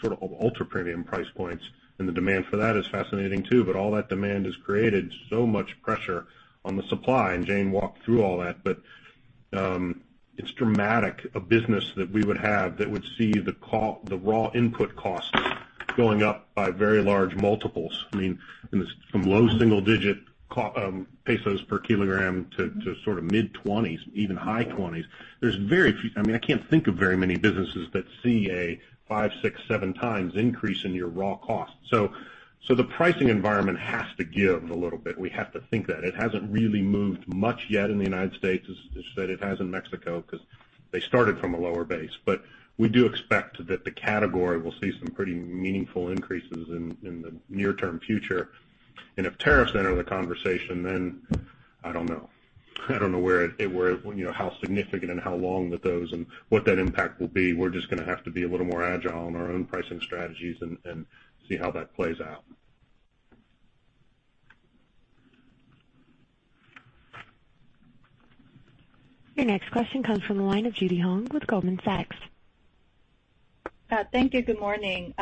sort of ultra-premium price points. The demand for that is fascinating, too. All that demand has created so much pressure on the supply, and Jane walked through all that. It's dramatic, a business that we would have that would see the raw input costs going up by very large multiples. From low single-digit pesos per kilogram to mid-20s, even high 20s. I can't think of very many businesses that see a five, six, seven times increase in your raw costs. The pricing environment has to give a little bit. We have to think that. It hasn't really moved much yet in the United States as it has in Mexico, because they started from a lower base. We do expect that the category will see some pretty meaningful increases in the near-term future. If tariffs enter the conversation, then I don't know. I don't know how significant and how long that those and what that impact will be. We're just going to have to be a little more agile in our own pricing strategies and see how that plays out. Your next question comes from the line of Judy Hong with Goldman Sachs. Thank you. Good morning.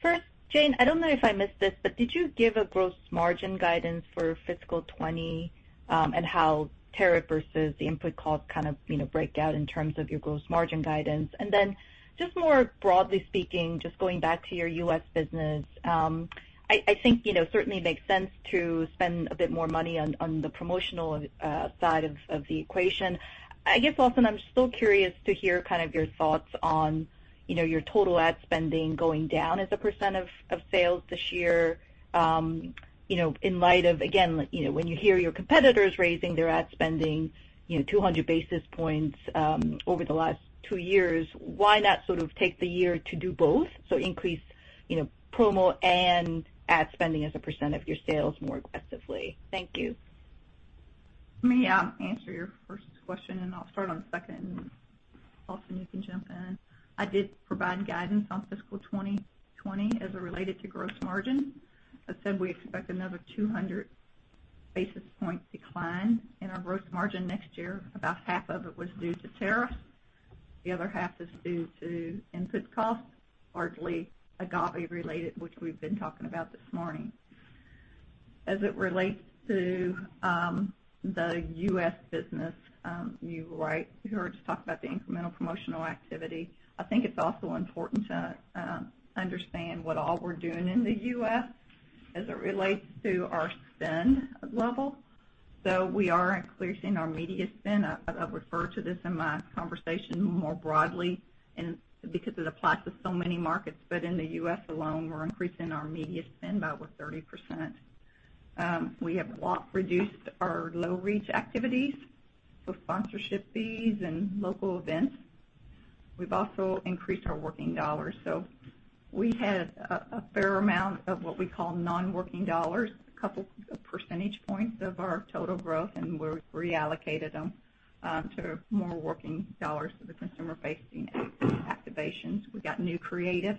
First, Jane, I don't know if I missed this, but did you give a gross margin guidance for fiscal 2020, and how tariff versus the input cost kind of break out in terms of your gross margin guidance? Then just more broadly speaking, just going back to your U.S. business, I think certainly makes sense to spend a bit more money on the promotional side of the equation. I guess, also, I'm still curious to hear your thoughts on your total ad spending going down as a percent of sales this year, in light of, again, when you hear your competitors raising their ad spending 200 basis points over the last two years, why not take the year to do both, so increase promo and ad spending as a percent of your sales more aggressively? Thank you. Let me answer your first question. I'll start on the second. Lawson Whiting, you can jump in. I did provide guidance on fiscal 2020 as it related to gross margin. I said we expect another 200 basis point decline in our gross margin next year. About half of it was due to tariff. The other half is due to input costs, largely agave-related, which we've been talking about this morning. As it relates to the U.S. business, you heard us talk about the incremental promotional activity. I think it's also important to understand what all we're doing in the U.S. as it relates to our spend level. We are increasing our media spend. I'll refer to this in my conversation more broadly because it applies to so many markets. In the U.S. alone, we're increasing our media spend by over 30%. We have reduced our low-reach activities, so sponsorship fees and local events. We've also increased our working dollars. We had a fair amount of what we call non-working dollars, a couple percentage points of our total growth, we reallocated them to more working dollars for the consumer-facing activations. We got new creative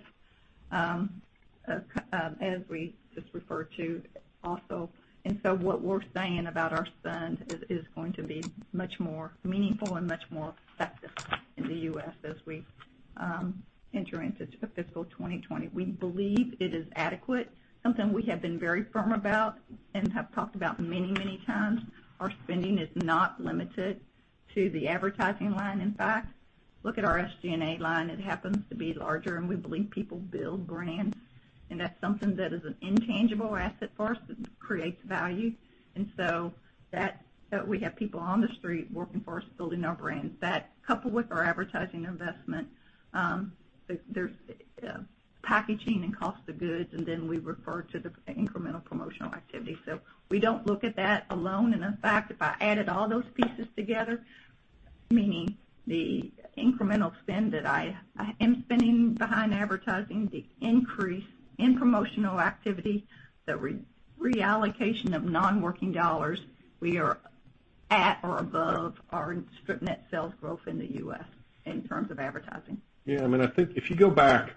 as we just referred to also. What we're saying about our spend is going to be much more meaningful and much more effective in the U.S. as we enter into fiscal 2020. We believe it is adequate. Something we have been very firm about, have talked about many, many times, our spending is not limited to the advertising line. In fact, look at our SG&A line. It happens to be larger, we believe people build brands, that's something that is an intangible asset for us that creates value. We have people on the street working for us, building our brands. That, coupled with our advertising investment, there's packaging and cost of goods, then we refer to the incremental promotional activity. We don't look at that alone. In fact, if I added all those pieces together, meaning the incremental spend that I am spending behind advertising, the increase in promotional activity, the reallocation of non-working dollars, we are at or above our strip net sales growth in the U.S. in terms of advertising. Yeah. I think if you go back,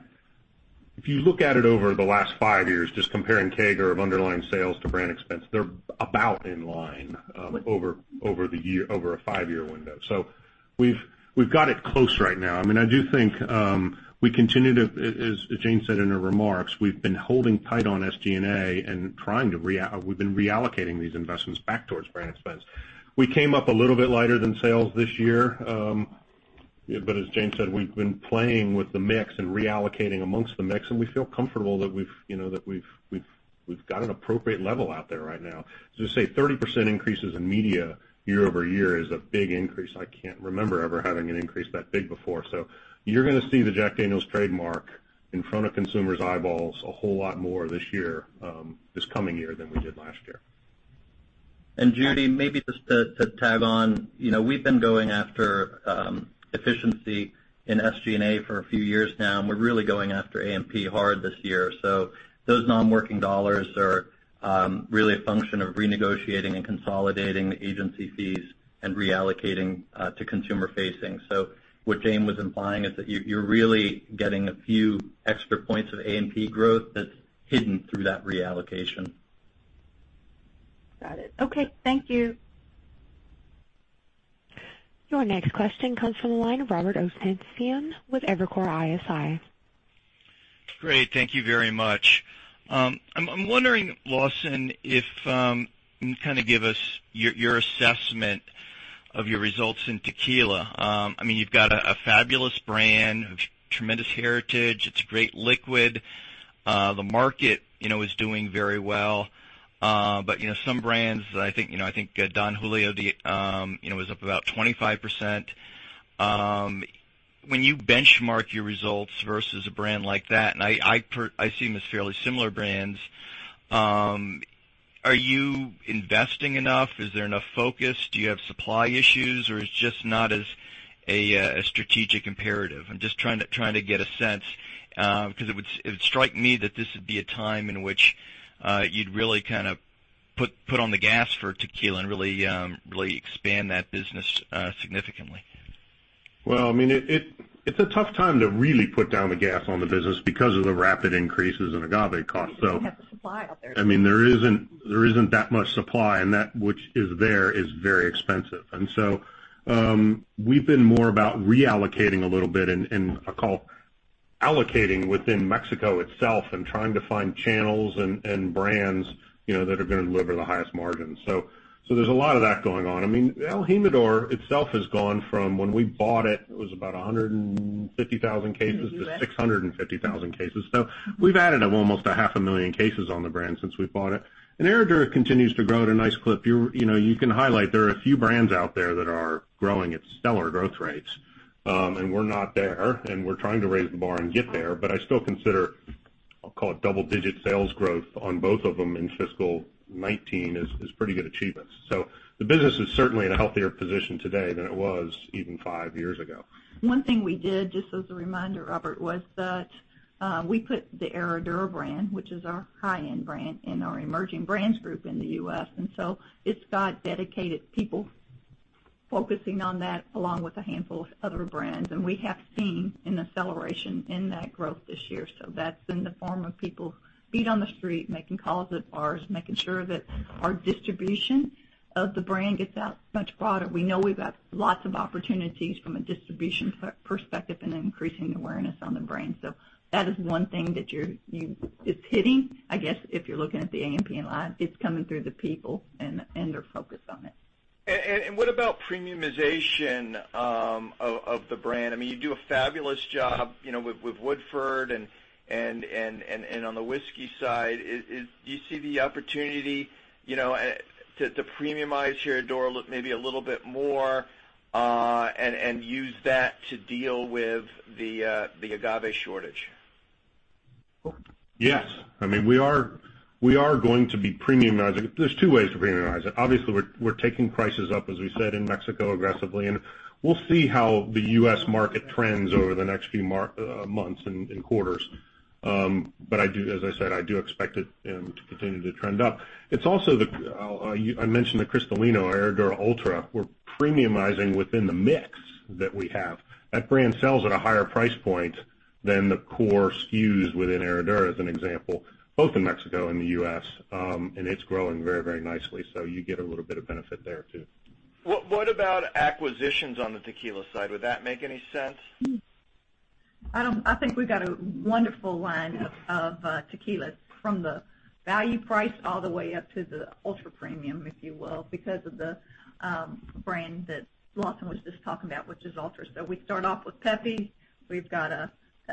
if you look at it over the last five years, just comparing CAGR of underlying sales to brand expense, they're about in line over a five-year window. We've got it close right now. I do think, we continue to, as Jane said in her remarks, we've been holding tight on SG&A and we've been reallocating these investments back towards brand expense. We came up a little bit lighter than sales this year. As Jane said, we've been playing with the mix and reallocating amongst the mix, and we feel comfortable that we've got an appropriate level out there right now. As I say, 30% increases in media year-over-year is a big increase. I can't remember ever having an increase that big before. You're going to see the Jack Daniel's trademark in front of consumers' eyeballs a whole lot more this coming year than we did last year. Judy, maybe just to tag on, we've been going after efficiency in SG&A for a few years now, and we're really going after A&P hard this year. Those non-working dollars are really a function of renegotiating and consolidating the agency fees and reallocating to consumer facing. What Jane was implying is that you're really getting a few extra points of A&P growth that's hidden through that reallocation. Got it. Okay. Thank you. Your next question comes from the line of Robert Ottenstein with Evercore ISI. Great. Thank you very much. I'm wondering, Lawson, if you can give us your assessment of your results in tequila. You've got a fabulous brand of tremendous heritage. It's a great liquid. The market is doing very well. Some brands, I think Don Julio, was up about 25%. When you benchmark your results versus a brand like that, and I see them as fairly similar brands, are you investing enough? Is there enough focus? Do you have supply issues, or it's just not as a strategic imperative? I'm just trying to get a sense, because it would strike me that this would be a time in which you'd really put on the gas for tequila and really expand that business significantly. Well, it's a tough time to really put down the gas on the business because of the rapid increases in agave cost. You don't have the supply out there. There isn't that much supply, and that which is there is very expensive. We've been more about reallocating a little bit, and I'll call allocating within Mexico itself and trying to find channels and brands that are going to deliver the highest margins. There's a lot of that going on. el Jimador itself has gone from when we bought it was about 150,000 cases to 650,000 cases. We've added up almost a half a million cases on the brand since we bought it. Herradura continues to grow at a nice clip. You can highlight, there are a few brands out there that are growing at stellar growth rates. We're not there, and we're trying to raise the bar and get there. I still consider, I'll call it double-digit sales growth on both of them in fiscal 2019 is pretty good achievements. The business is certainly in a healthier position today than it was even five years ago. One thing we did, just as a reminder, Robert, was that we put the Herradura brand, which is our high-end brand, in our emerging brands group in the U.S. It's got dedicated people focusing on that along with a handful of other brands. We have seen an acceleration in that growth this year. That's in the form of people's feet on the street, making calls at bars, making sure that our distribution of the brand gets out much broader. We know we've got lots of opportunities from a distribution perspective and increasing awareness on the brand. That is one thing that it's hitting, I guess, if you're looking at the A&P line, it's coming through the people and their focus on it. What about premiumization of the brand? You do a fabulous job with Woodford and on the whiskey side. Do you see the opportunity to premiumize Herradura maybe a little bit more, and use that to deal with the agave shortage? Yes. We are going to be premiumizing. There's two ways to premiumize it. Obviously, we're taking prices up, as we said, in Mexico aggressively, and we'll see how the U.S. market trends over the next few months and quarters. As I said, I do expect it to continue to trend up. I mentioned the Cristalino, Herradura Ultra. We're premiumizing within the mix that we have. That brand sells at a higher price point than the core SKUs within Herradura, as an example, both in Mexico and the U.S., and it's growing very, very nicely, so you get a little bit of benefit there, too. What about acquisitions on the tequila side? Would that make any sense? I think we've got a wonderful line of tequilas from the value price all the way up to the ultra-premium, if you will, because of the brands that Lawson was just talking about, which is ultra. We start off with Pepe Lopez, we've got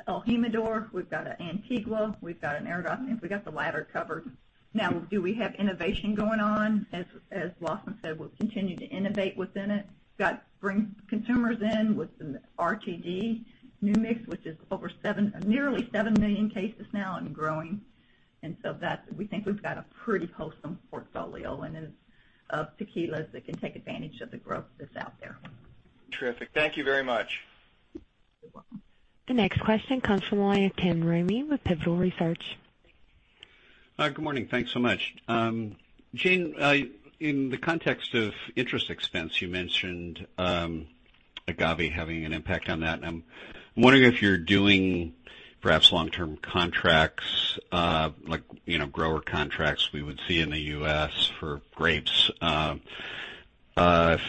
el Jimador, we've got Antiguo, we've got an Herradura. I think we got the latter covered. Now, do we have innovation going on? As Lawson said, we'll continue to innovate within it. Got to bring consumers in with some RTD New Mix, which is over nearly seven million cases now and growing. We think we've got a pretty wholesome portfolio of tequilas that can take advantage of the growth that's out there. Terrific. Thank you very much. You're welcome. The next question comes from the line of Timothy Ramey with Pivotal Research Group. Hi. Good morning. Thanks so much. Jane, in the context of interest expense, you mentioned agave having an impact on that. I'm wondering if you're doing perhaps long-term contracts, like grower contracts we would see in the U.S. for grapes. If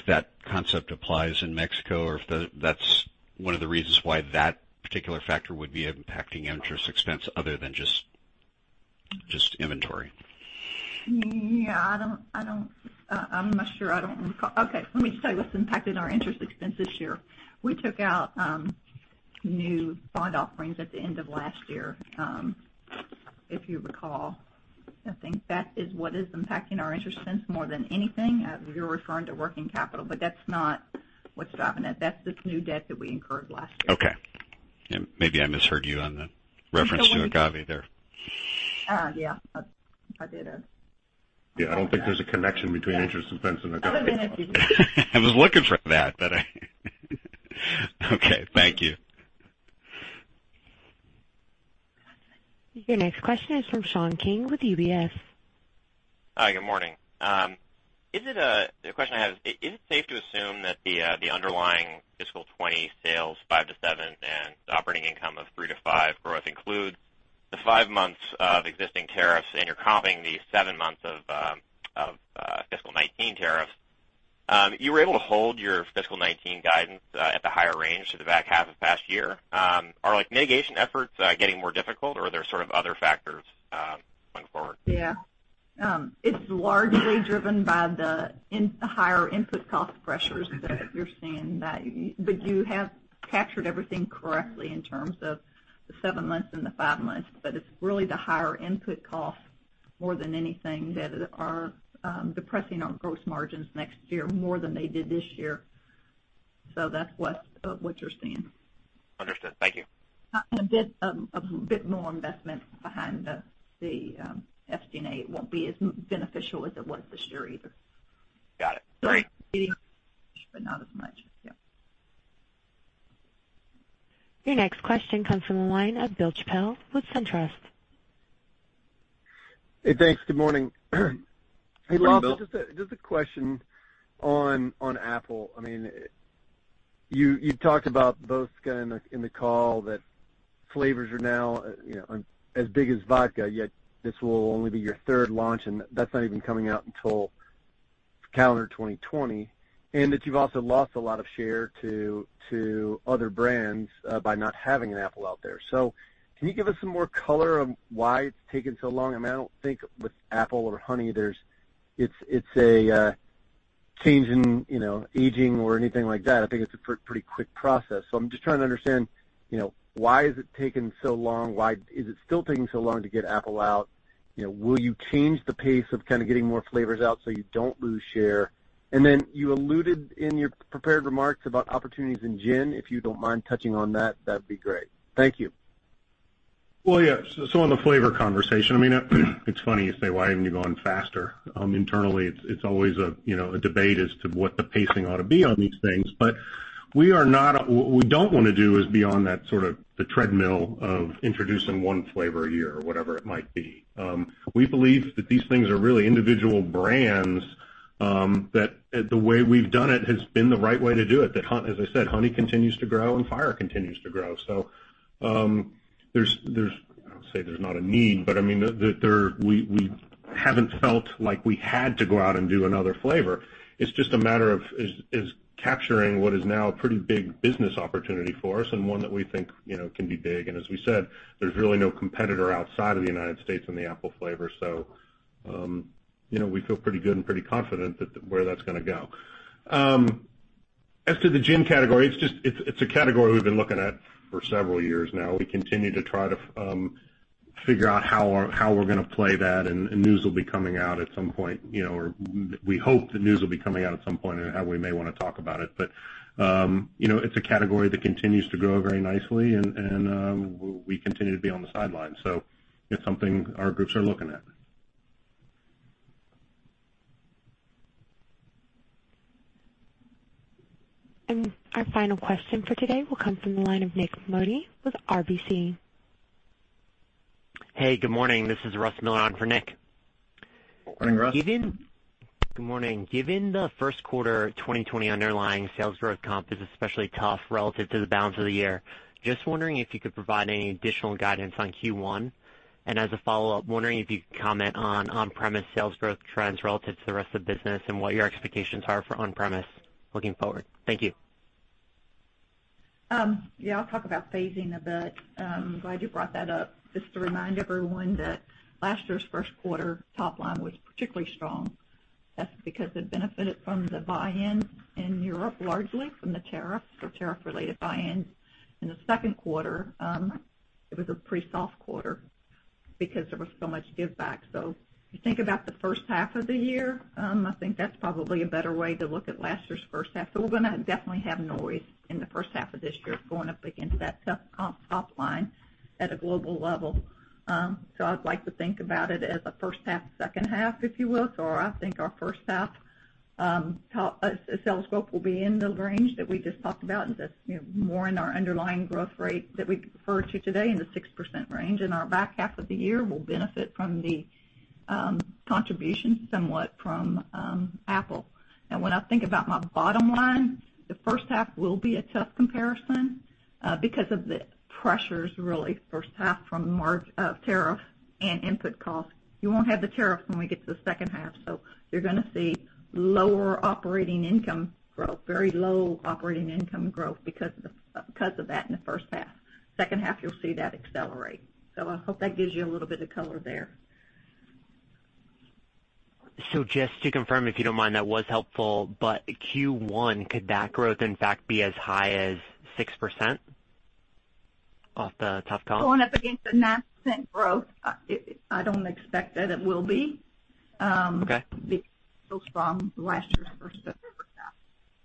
that concept applies in Mexico, or if that's one of the reasons why that particular factor would be impacting interest expense other than just inventory. Yeah. I'm not sure. I don't recall. Okay, let me tell you what's impacting our interest expense this year. We took out new bond offerings at the end of last year, if you recall. I think that is what is impacting our interest expense more than anything. You're referring to working capital, but that's not what's driving it. That's the new debt that we incurred last year. Okay. Maybe I misheard you on the reference to agave there. Yeah, I did. Yeah, I don't think there's a connection between interest expense and agave. I was looking for that. Okay, thank you. Your next question is from Sean King with UBS. Hi, good morning. The question I have is it safe to assume that the underlying fiscal 2020 sales, 5%-7%, and operating income of 3%-5% growth includes the five months of existing tariffs and you're comping the seven months of fiscal 2019 tariffs? You were able to hold your fiscal 2019 guidance at the higher range for the back half of last year. Are mitigation efforts getting more difficult, or are there other factors going forward? Yeah. It's largely driven by the higher input cost pressures that you're seeing. You have captured everything correctly in terms of the seven months and the five months. It's really the higher input costs more than anything that are depressing our gross margins next year more than they did this year. That's what you're seeing. Understood. Thank you. A bit more investment behind the FDA. It won't be as beneficial as it was this year either. Got it. Great. Not as much. Yeah. Your next question comes from the line of Bill Chappell with SunTrust. Hey, thanks. Good morning. Good morning, Bill. Hey, Lawson, just a question on Apple. You talked about both in the call that flavors are now as big as vodka, yet this will only be your third launch, and that's not even coming out until calendar 2020, and that you've also lost a lot of share to other brands by not having an Apple out there. Can you give us some more color on why it's taken so long? I don't think with Apple or Honey it's a change in aging or anything like that. I think it's a pretty quick process. I'm just trying to understand why is it taking so long? Why is it still taking so long to get Apple out? Will you change the pace of kind of getting more flavors out so you don't lose share? You alluded in your prepared remarks about opportunities in gin. If you don't mind touching on that'd be great. Thank you. Yeah. On the flavor conversation, it's funny you say, why haven't you gone faster? Internally, it's always a debate as to what the pacing ought to be on these things. What we don't want to do is be on that sort of the treadmill of introducing one flavor a year or whatever it might be. We believe that these things are really individual brands, that the way we've done it has been the right way to do it, that, as I said, Honey continues to grow and Fire continues to grow. I won't say there's not a need, but we haven't felt like we had to go out and do another flavor. It's just a matter of is capturing what is now a pretty big business opportunity for us and one that we think can be big. As we said, there's really no competitor outside of the U.S. in the Apple flavor. We feel pretty good and pretty confident where that's going to go. As to the gin category, it's a category we've been looking at for several years now. We continue to try to figure out how we're going to play that, news will be coming out at some point. We hope the news will be coming out at some point on how we may want to talk about it. It's a category that continues to grow very nicely, and we continue to be on the sidelines. It's something our groups are looking at. Our final question for today will come from the line of Nik Modi with RBC. Good morning. This is Russ Miller on for Nik. Morning, Russ. Good morning. Given the first quarter 2020 underlying sales growth comp is especially tough relative to the balance of the year, just wondering if you could provide any additional guidance on Q1. As a follow-up, wondering if you could comment on on-premise sales growth trends relative to the rest of the business and what your expectations are for on-premise looking forward. Thank you. Yeah, I'll talk about phasing a bit. I'm glad you brought that up. Just to remind everyone that last year's first quarter top line was particularly strong. That's because it benefited from the buy-in in Europe, largely from the tariff or tariff-related buy-ins. In the second quarter, it was a pretty soft quarter because there was so much give back. If you think about the first half of the year, I think that's probably a better way to look at last year's first half. We're going to definitely have noise in the first half of this year going up against that tough comp top line at a global level. I would like to think about it as a first half, second half, if you will. I think our first half sales scope will be in the range that we just talked about, and that's more in our underlying growth rate that we referred to today, in the 6% range. Our back half of the year will benefit from the contribution somewhat from Apple. Now, when I think about my bottom line, the first half will be a tough comparison because of the pressures, really, first half from tariff and input costs. You won't have the tariff when we get to the second half, you're going to see lower operating income growth, very low operating income growth because of that in the first half. Second half, you'll see that accelerate. I hope that gives you a little bit of color there. Just to confirm, if you don't mind, that was helpful, Q1, could that growth, in fact, be as high as 6% off the tough comp? Going up against the 9% growth, I don't expect that it will be. Okay. It was strong last year's first half.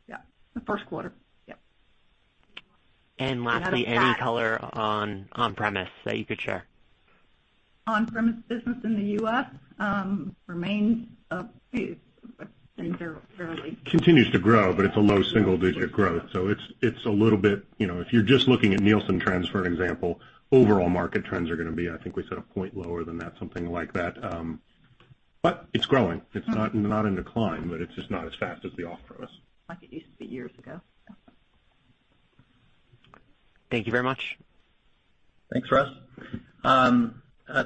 Yeah, the first quarter. Yep. Lastly, any color on on-premise that you could share? On-premise business in the U.S. remains a few, but things are. Continues to grow, but it's a low single-digit growth. It's a little bit, if you're just looking at Nielsen trends, for an example, overall market trends are going to be, and I think we said a point lower than that, something like that. It's growing. It's not in decline, but it's just not as fast as the off-premise. Like it used to be years ago. Thank you very much. Thanks, Russ.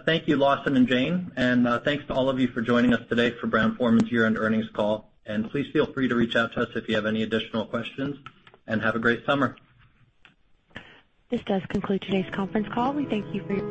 Thank you, Lawson and Jane, and thanks to all of you for joining us today for Brown-Forman's year-end earnings call. Please feel free to reach out to us if you have any additional questions, and have a great summer. This does conclude today's conference call. We thank you for your participation.